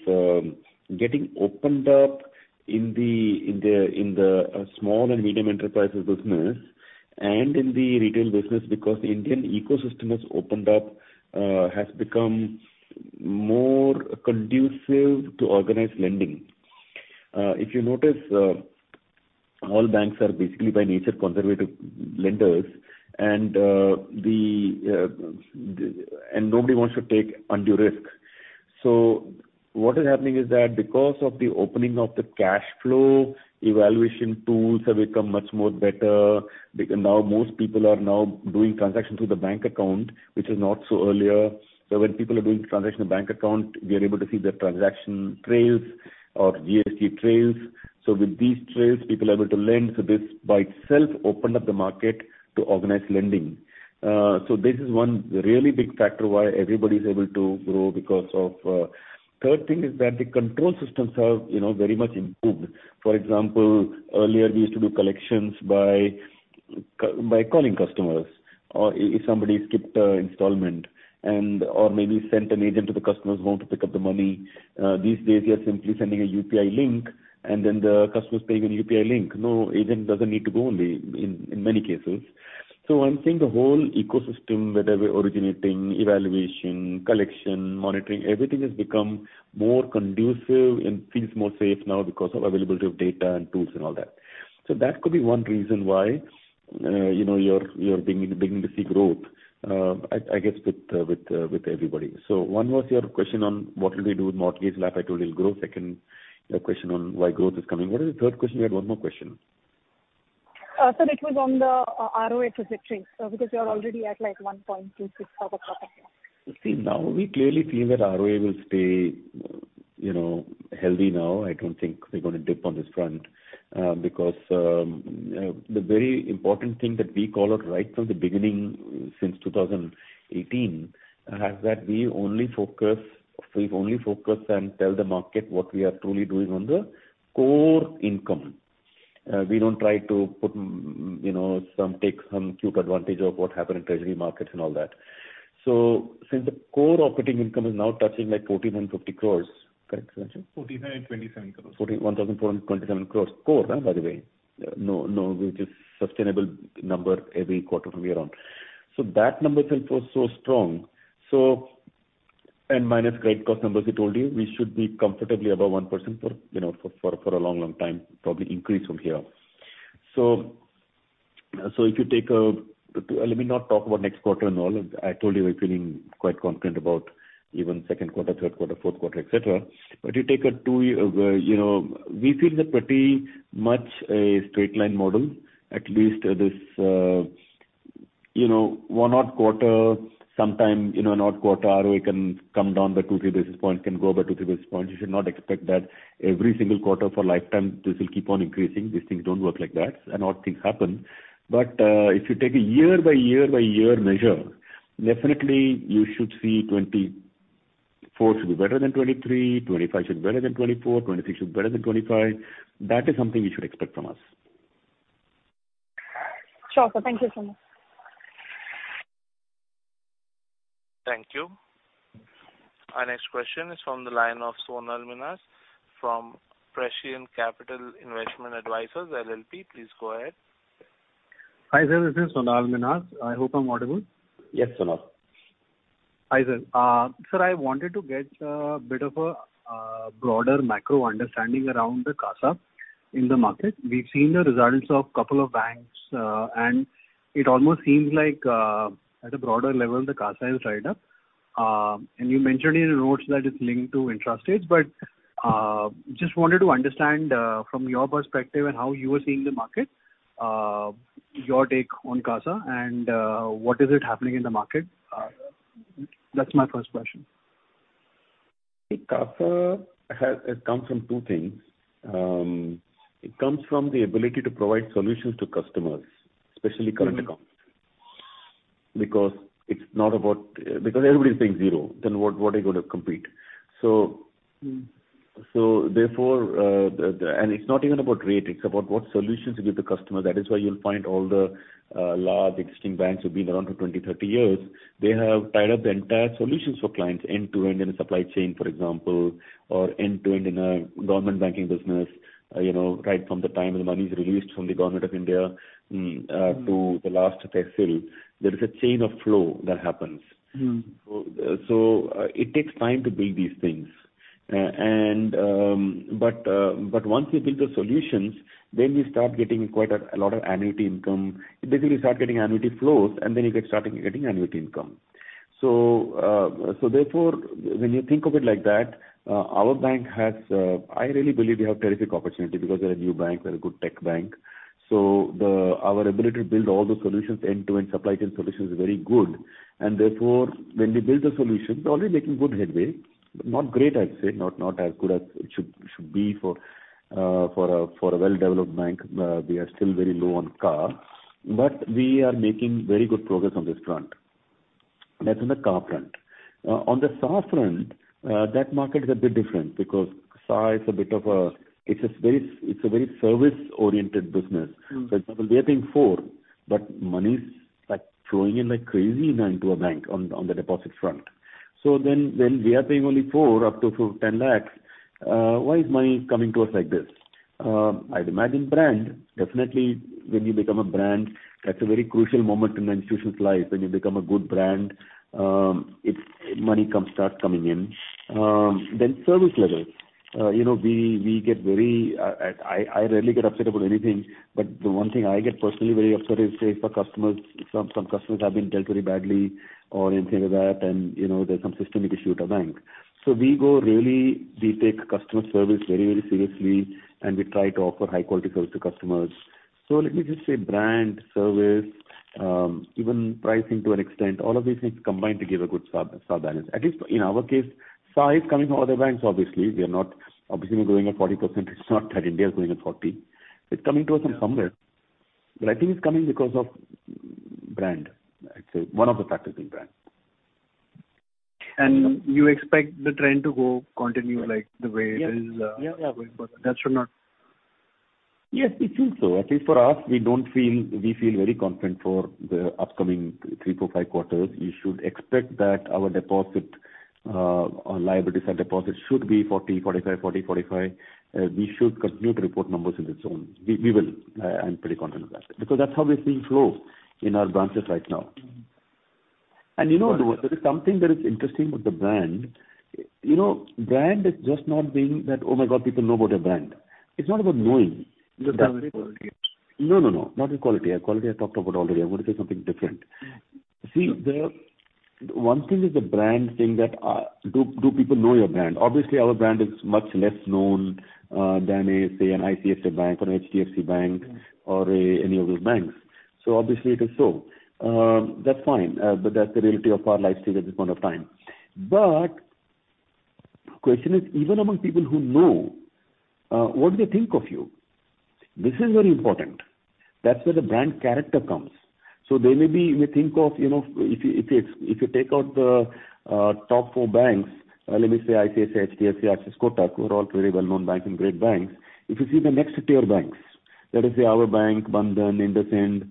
getting opened up in the, in the, in the small and medium enterprises business and in the retail business, because the Indian ecosystem has opened up, has become more conducive to organized lending. If you notice, all banks are basically by nature, conservative lenders, and the, the, and nobody wants to take undue risk. What is happening is that because of the opening of the cash flow, evaluation tools have become much more better, because now most people are now doing transactions through the bank account, which is not so earlier. When people are doing transaction in bank account, we are able to see their transaction trails or GST trails. With these trails, people are able to lend. This by itself opened up the market to organize lending. Third thing is that the control systems have, you know, very much improved. For example, earlier we used to do collections by calling customers, or if somebody skipped an installment and, or maybe sent an agent to the customer's home to pick up the money. These days, we are simply sending a UPI link, and then the customer is paying an UPI link. No agent doesn't need to go only in, in many cases. I'm saying the whole ecosystem, whether we're originating, evaluation, collection, monitoring, everything has become more conducive and feels more safe now because of availability of data and tools and all that. That could be one reason why, you know, you're beginning to see growth, I guess, with, with, with everybody. One was your question on what will we do with mortgage? Like I told you, it'll grow. Second, your question on why growth is coming. What is the third question? You had one more question. Sir, it was on the ROA trajectory, because you are already at, like, 1.26 or the top. See, now, we clearly feel that ROA will stay, you know, healthy now. I don't think we're going to dip on this front, because, the very important thing that we called out right from the beginning, since 2018, is that we only focus- we've only focused and tell the market what we are truly doing on the core income. We don't try to put, you know, some- take some cute advantage of what happened in treasury markets and all that. Since the core operating income is now touching, like, 1,450 crore, correct, Sanjeev? 14 crores andINR 27 crores. 41,427 crore core, by the way. No, no, which is sustainable number every quarter from here on. That number itself was so strong. Minus credit cost numbers, we told you, we should be comfortably above 1% for, you know, for, for a long, long time, probably increase from here. If you take a, let me not talk about next quarter and all. I told you we're feeling quite confident about even second quarter, third quarter, fourth quarter, et cetera. You take a two-year, you know, we feel that pretty much a straight line model, at least this, you know, one odd quarter, sometime, in an odd quarter, ROA can come down by two, three basis points, can go by two, three basis points. You should not expect that every single quarter for lifetime, this will keep on increasing. These things don't work like that, and odd things happen. If you take a year by year by year measure, definitely you should see 2024 should be better than 2023, 2025 should be better than 2024, 2026 should be better than 2025. That is something you should expect from us. Sure, sir. Thank you so much. Thank you. Our next question is from the line of Sonal Minhas from Prescient Capital Investment Advisors LLP. Please go ahead. Hi, there. This is Sonal Minhas. I hope I'm audible. Yes, Sonal. Hi, there. Sir, I wanted to get a bit of a broader macro understanding around the CASA in the market. We've seen the results of couple of banks, and it almost seems like at a broader level, the CASA is right up. You mentioned in your notes that it's linked to intra-stage. Just wanted to understand from your perspective and how you are seeing the market, your take on CASA and what is it happening in the market? That's my first question. The CASA has come from two things. It comes from the ability to provide solutions to customers, especially current accounts. Mm-hmm. it's not about. Because everybody is saying zero, then what, what are you going to compete? Mm. Therefore, the, and it's not even about rate, it's about what solutions you give the customer. That is why you'll find all the large existing banks who have been around for 20, 30 years, they have tied up the entire solutions for clients, end-to-end in a supply chain, for example, or end-to-end in a Government banking business. You know, right from the time the money is released from the Government of India, to the last paisa, there is a chain of flow that happens. Mm. It takes time to build these things. Once you build the solutions, we start getting quite a, a lot of annuity income. Basically, you start getting annuity flows, you get started getting annuity income. Therefore, when you think of it like that, our bank has, I really believe we have terrific opportunity because we're a new bank, we're a good tech bank. The, our ability to build all those solutions, end-to-end supply chain solutions, is very good. Therefore, when we build the solution, we're already making good headway. Not great, I'd say, not, not as good as it should, should be for, for a, for a well-developed bank. We are still very low on CASA, we are making very good progress on this front. That's on the CASA front. On the SA front, that market is a bit different because SA is a bit of, it's a very, it's a very service-oriented business. Mm. We are paying 4%, but money's, like, flowing in like crazy now into a bank on, on the deposit front. When we are paying only 4% up to 10 lakh, why is money coming to us like this? I'd imagine brand. Definitely, when you become a brand, that's a very crucial moment in an institution's life. When you become a good brand, it's, money comes, start coming in. Then service levels. You know, we, we get very, I, I rarely get upset about anything, but the one thing I get personally very upset is if a customer, some, some customers have been dealt very badly or anything like that, and, you know, there's some systemic issue with the bank. We go really, we take customer service very, very seriously, and we try to offer high quality service to customers. Let me just say brand, service, even pricing to an extent, all of these things combine to give a good star balance. At least in our case, size coming from other banks, obviously, we are not obviously growing at 40%, it's not that India is growing at 40. It's coming to us from somewhere. I think it's coming because of brand. I'd say one of the factors is brand. You expect the trend to go continue, like, the way it is? Yeah. Yeah. That should not? Yes, we feel so. At least for us, we don't feel. We feel very confident for the upcoming three, four, five quarters. We should expect that our deposit, our liabilities and deposits should be 40, 45, 40, 45. We should continue to report numbers in this zone. We, we will. I, I'm pretty confident about it, because that's how we're seeing flow in our branches right now. You know what? There is something that is interesting with the brand. You know, brand is just not being that, Oh, my God! People know about a brand. It's not about knowing. The brand quality. No, no, no. Not the quality. Quality I talked about already. I'm gonna say something different. See, the one thing is the brand thing that, do people know your brand? Obviously, our brand is much less known than a, say, an ICICI Bank or an HDFC Bank or a, any of those banks. Obviously it is so. That's fine, but that's the reality of our life stage at this point of time. Question is, even among people who know, what do they think of you? This is very important. That's where the brand character comes. They may think of, you know, if you take out the top four banks, let me say ICICI, HDFC, Axis, Kotak, who are all very well-known banks and great banks. If you see the next tier banks, that is say our bank, Bandhan, IndusInd,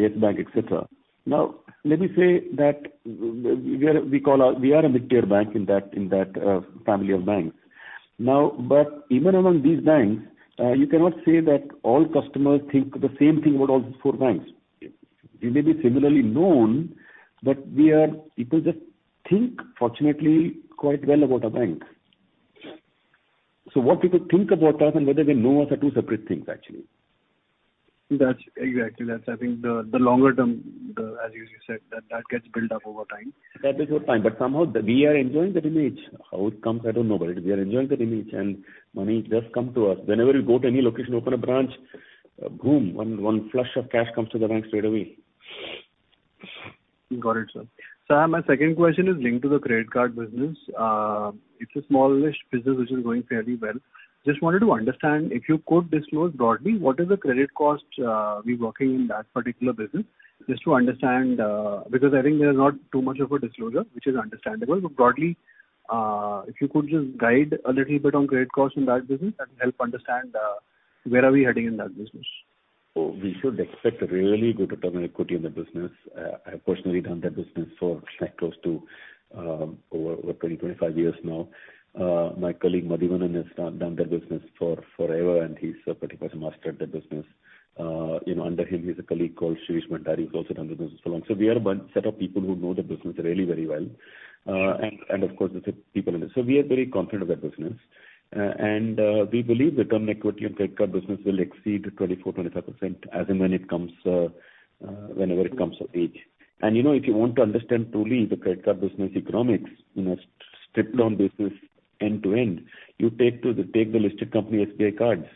Yes Bank, et cetera. Now, let me say that we are, we call our, we are a mid-tier bank in that, in that, family of banks. Now, even among these banks, you cannot say that all customers think the same thing about all these four banks. They may be similarly known, but we are, people just think, fortunately, quite well about our bank. What people think about us and whether they know us are two separate things, actually. That's exactly, that's I think the, the longer term, the, as you said, that, that gets built up over time. That is over time, but somehow we are enjoying that image. How it comes, I don't know, but we are enjoying that image, and money just come to us. Whenever you go to any location, open a branch, boom! One, one flush of cash comes to the bank straight away. Got it, sir. Sir, my second question is linked to the credit card business. It's a smallish business which is going fairly well. Just wanted to understand if you could disclose broadly, what is the credit cost, we working in that particular business? Just to understand, because I think there's not too much of a disclosure, which is understandable. Broadly, if you could just guide a little bit on credit costs in that business, that will help understand, where are we heading in that business. We should expect a really good return on equity in the business. I have personally done that business for close to over 20-25 years now. My colleague, Madhivanan, has done, done that business for forever, and he's pretty much a master at that business. You know, under him, he has a colleague called Shirish Bhandari, who's also done the business for long. We are a bunch, set of people who know the business really very well. And, and of course, there's people in it. We are very confident of that business. And we believe the return on equity and credit card business will exceed 24%-25%, as and when it comes, whenever it comes of age. You know, if you want to understand truly the credit card business economics, you know, stripped down business end to end, you take to the, take the listed company, SBI Cards.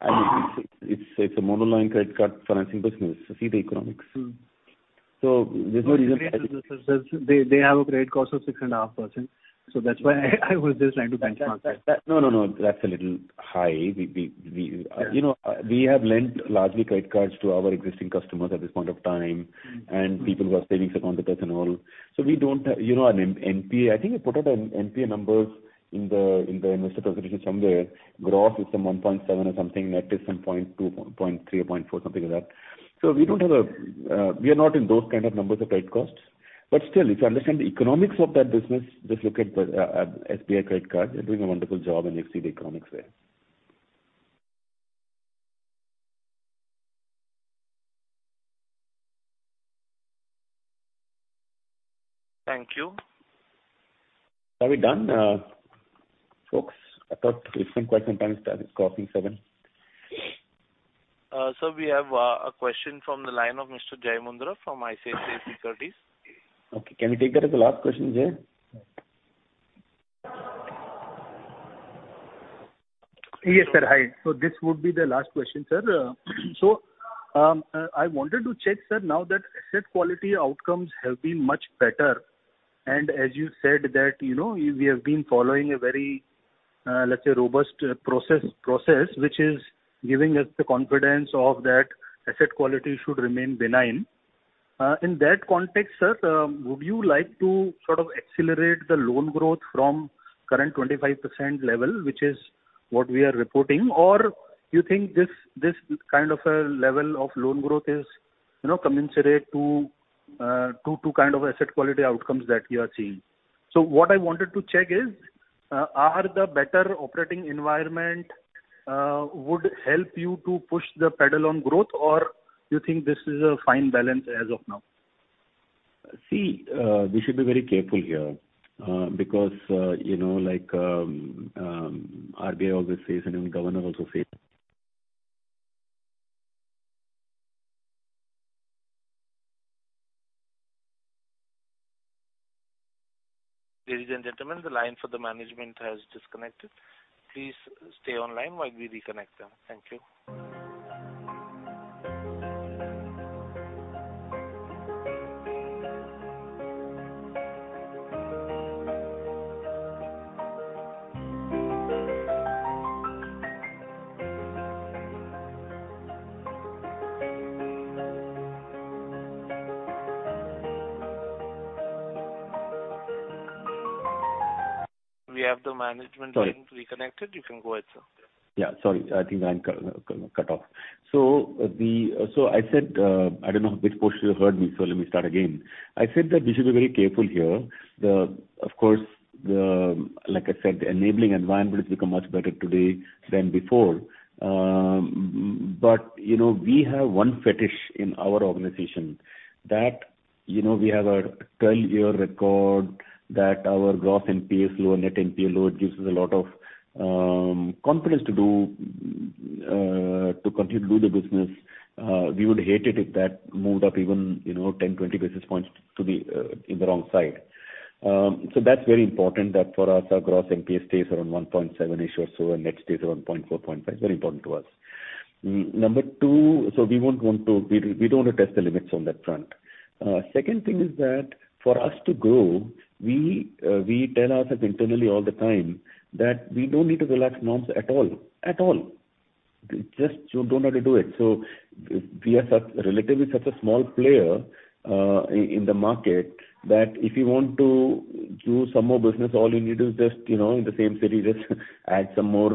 I mean, it's, it's a monoline credit card financing business. See the economics. Mm. There's no reason- They, they have a credit cost of 6.5%. That's why I was just trying to benchmark that. That, no, no, no, that's a little high. Yeah. You know, we have lent largely credit cards to our existing customers at this point of time. Mm-hmm. People who are savings account with us and all. We don't, you know, NPA, I think I put out an NPA numbers in the investor presentation somewhere. Gross is some 1.7 or something, net is some 0.2, 0.3 or 0.4, something like that. We don't have a, we are not in those kind of numbers of credit costs. Still, if you understand the economics of that business, just look at the SBI Credit Card. They're doing a wonderful job and you see the economics there. Thank you. Are we done, folks? I thought we've spent quite some time. It's quarter to seven. Sir, we have a question from the line of Mr. Jai Mundhra from ICICI Securities. Okay. Can we take that as the last question, Jai? Yes, sir. Hi, this would be the last question, sir. I wanted to check, sir, now that asset quality outcomes have been much better, and as you said that, you know, we have been following a very, let's say, robust process, which is giving us the confidence of that asset quality should remain benign. In that context, sir, would you like to sort of accelerate the loan growth from current 25% level, which is what we are reporting, or you think this, this kind of a level of loan growth is, you know, commensurate to kind of asset quality outcomes that we are seeing? What I wanted to check is, are the better operating environment would help you to push the pedal on growth, or you think this is a fine balance as of now? See, we should be very careful here, because, you know, like, RBI always says, and even governor also says. Ladies and gentlemen, the line for the management has disconnected. Please stay online while we reconnect them. Thank you. We have the management line- Sorry. reconnected. You can go ahead, sir. Yeah, sorry. I think I'm cut off. I said, I don't know which portion you heard me, so let me start again. I said that we should be very careful here. Of course, like I said, the enabling environment has become much better today than before. You know, we have one fetish in our organization that, you know, we have a 12-year record, that our Gross NPA is low, Net NPA low, it gives us a lot of confidence to do to continue to do the business. We would hate it if that moved up even, you know, 10, 20 basis points to the in the wrong side. That's very important that for us, our Gross NPA stays around 1.7-ish or so, and next stays around 0.4, 0.5. Very important to us. Number two, we won't want to, we, we don't want to test the limits on that front. Second thing is that for us to grow, we tell ourselves internally all the time that we don't need to relax norms at all. At all. Just you don't have to do it. We are such, relatively such a small player, in the market, that if you want to do some more business, all you need is just, you know, in the same city, just add some more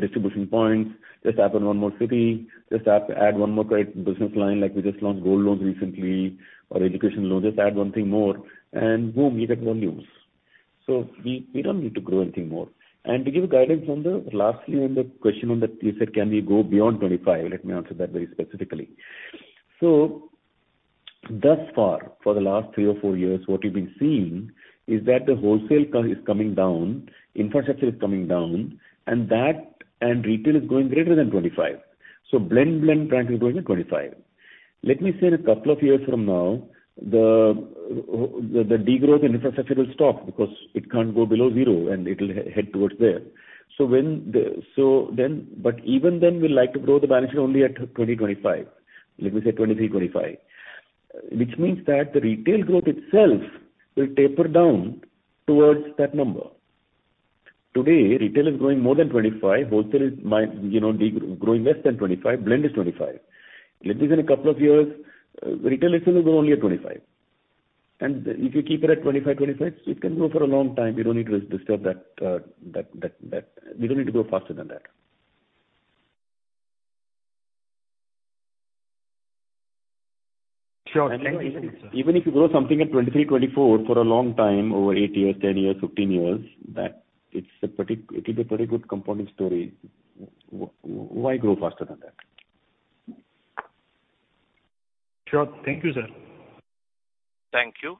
distribution points, just add one more city, just add, add one more business line, like we just launched gold loans recently or education loans. Just add one thing more, and boom! You get volumes. We, we don't need to grow anything more. To give you guidance on the, lastly, on the question on that, you said, "Can we go beyond 25?" Let me answer that very specifically. Thus far, for the last three or four years, what you've been seeing is that the wholesale co- is coming down, infrastructure is coming down, and that, and retail is growing greater than 25. Blend, blend time is going to 25. Let me say that a couple of years from now, the, the degrowth in infrastructure will stop because it can't go below zero, and it'll head towards there. Even then, we like to grow the balance sheet only at 20, 25. Let me say 23, 25. Which means that the retail growth itself will taper down towards that number. Today, retail is growing more than 25, wholesale is you know, growing less than 25, blend is 25. Let me say in a couple of years, retail is going to grow only at 25. If you keep it at 25, 25, it can go for a long time. We don't need to disturb that, that, that, that... We don't need to grow faster than that. Sure. Thank you, sir. Even if you grow something at 23, 24 for a long time, over eight years, 10 years, 15 years, that it's a pretty good compounding story. Why grow faster than that? Sure. Thank you, sir. Thank you.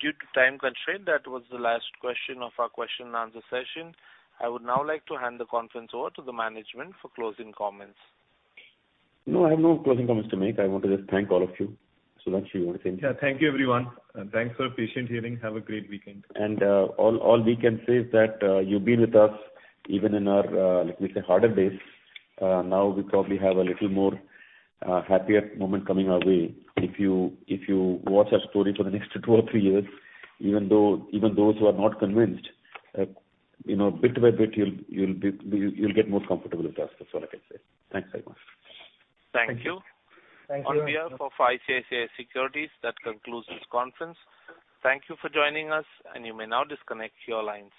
Due to time constraint, that was the last question of our question and answer session. I would now like to hand the conference over to the management for closing comments. No, I have no closing comments to make. I want to just thank all of you. Sudhanshu, you want to say anything? Yeah, thank you, everyone. Thanks for patient hearing. Have a great weekend. All, all we can say is that you've been with us even in our, let me say, harder days. Now we probably have a little more happier moment coming our way. If you, if you watch our story for the next two or threene years, even though, even those who are not convinced, you know, bit by bit, you'll, you'll be, you'll, you'll get more comfortable with us. That's all I can say. Thanks very much. Thank you. Thank you. On behalf of ICICI Securities, that concludes this conference. Thank you for joining us. You may now disconnect your lines.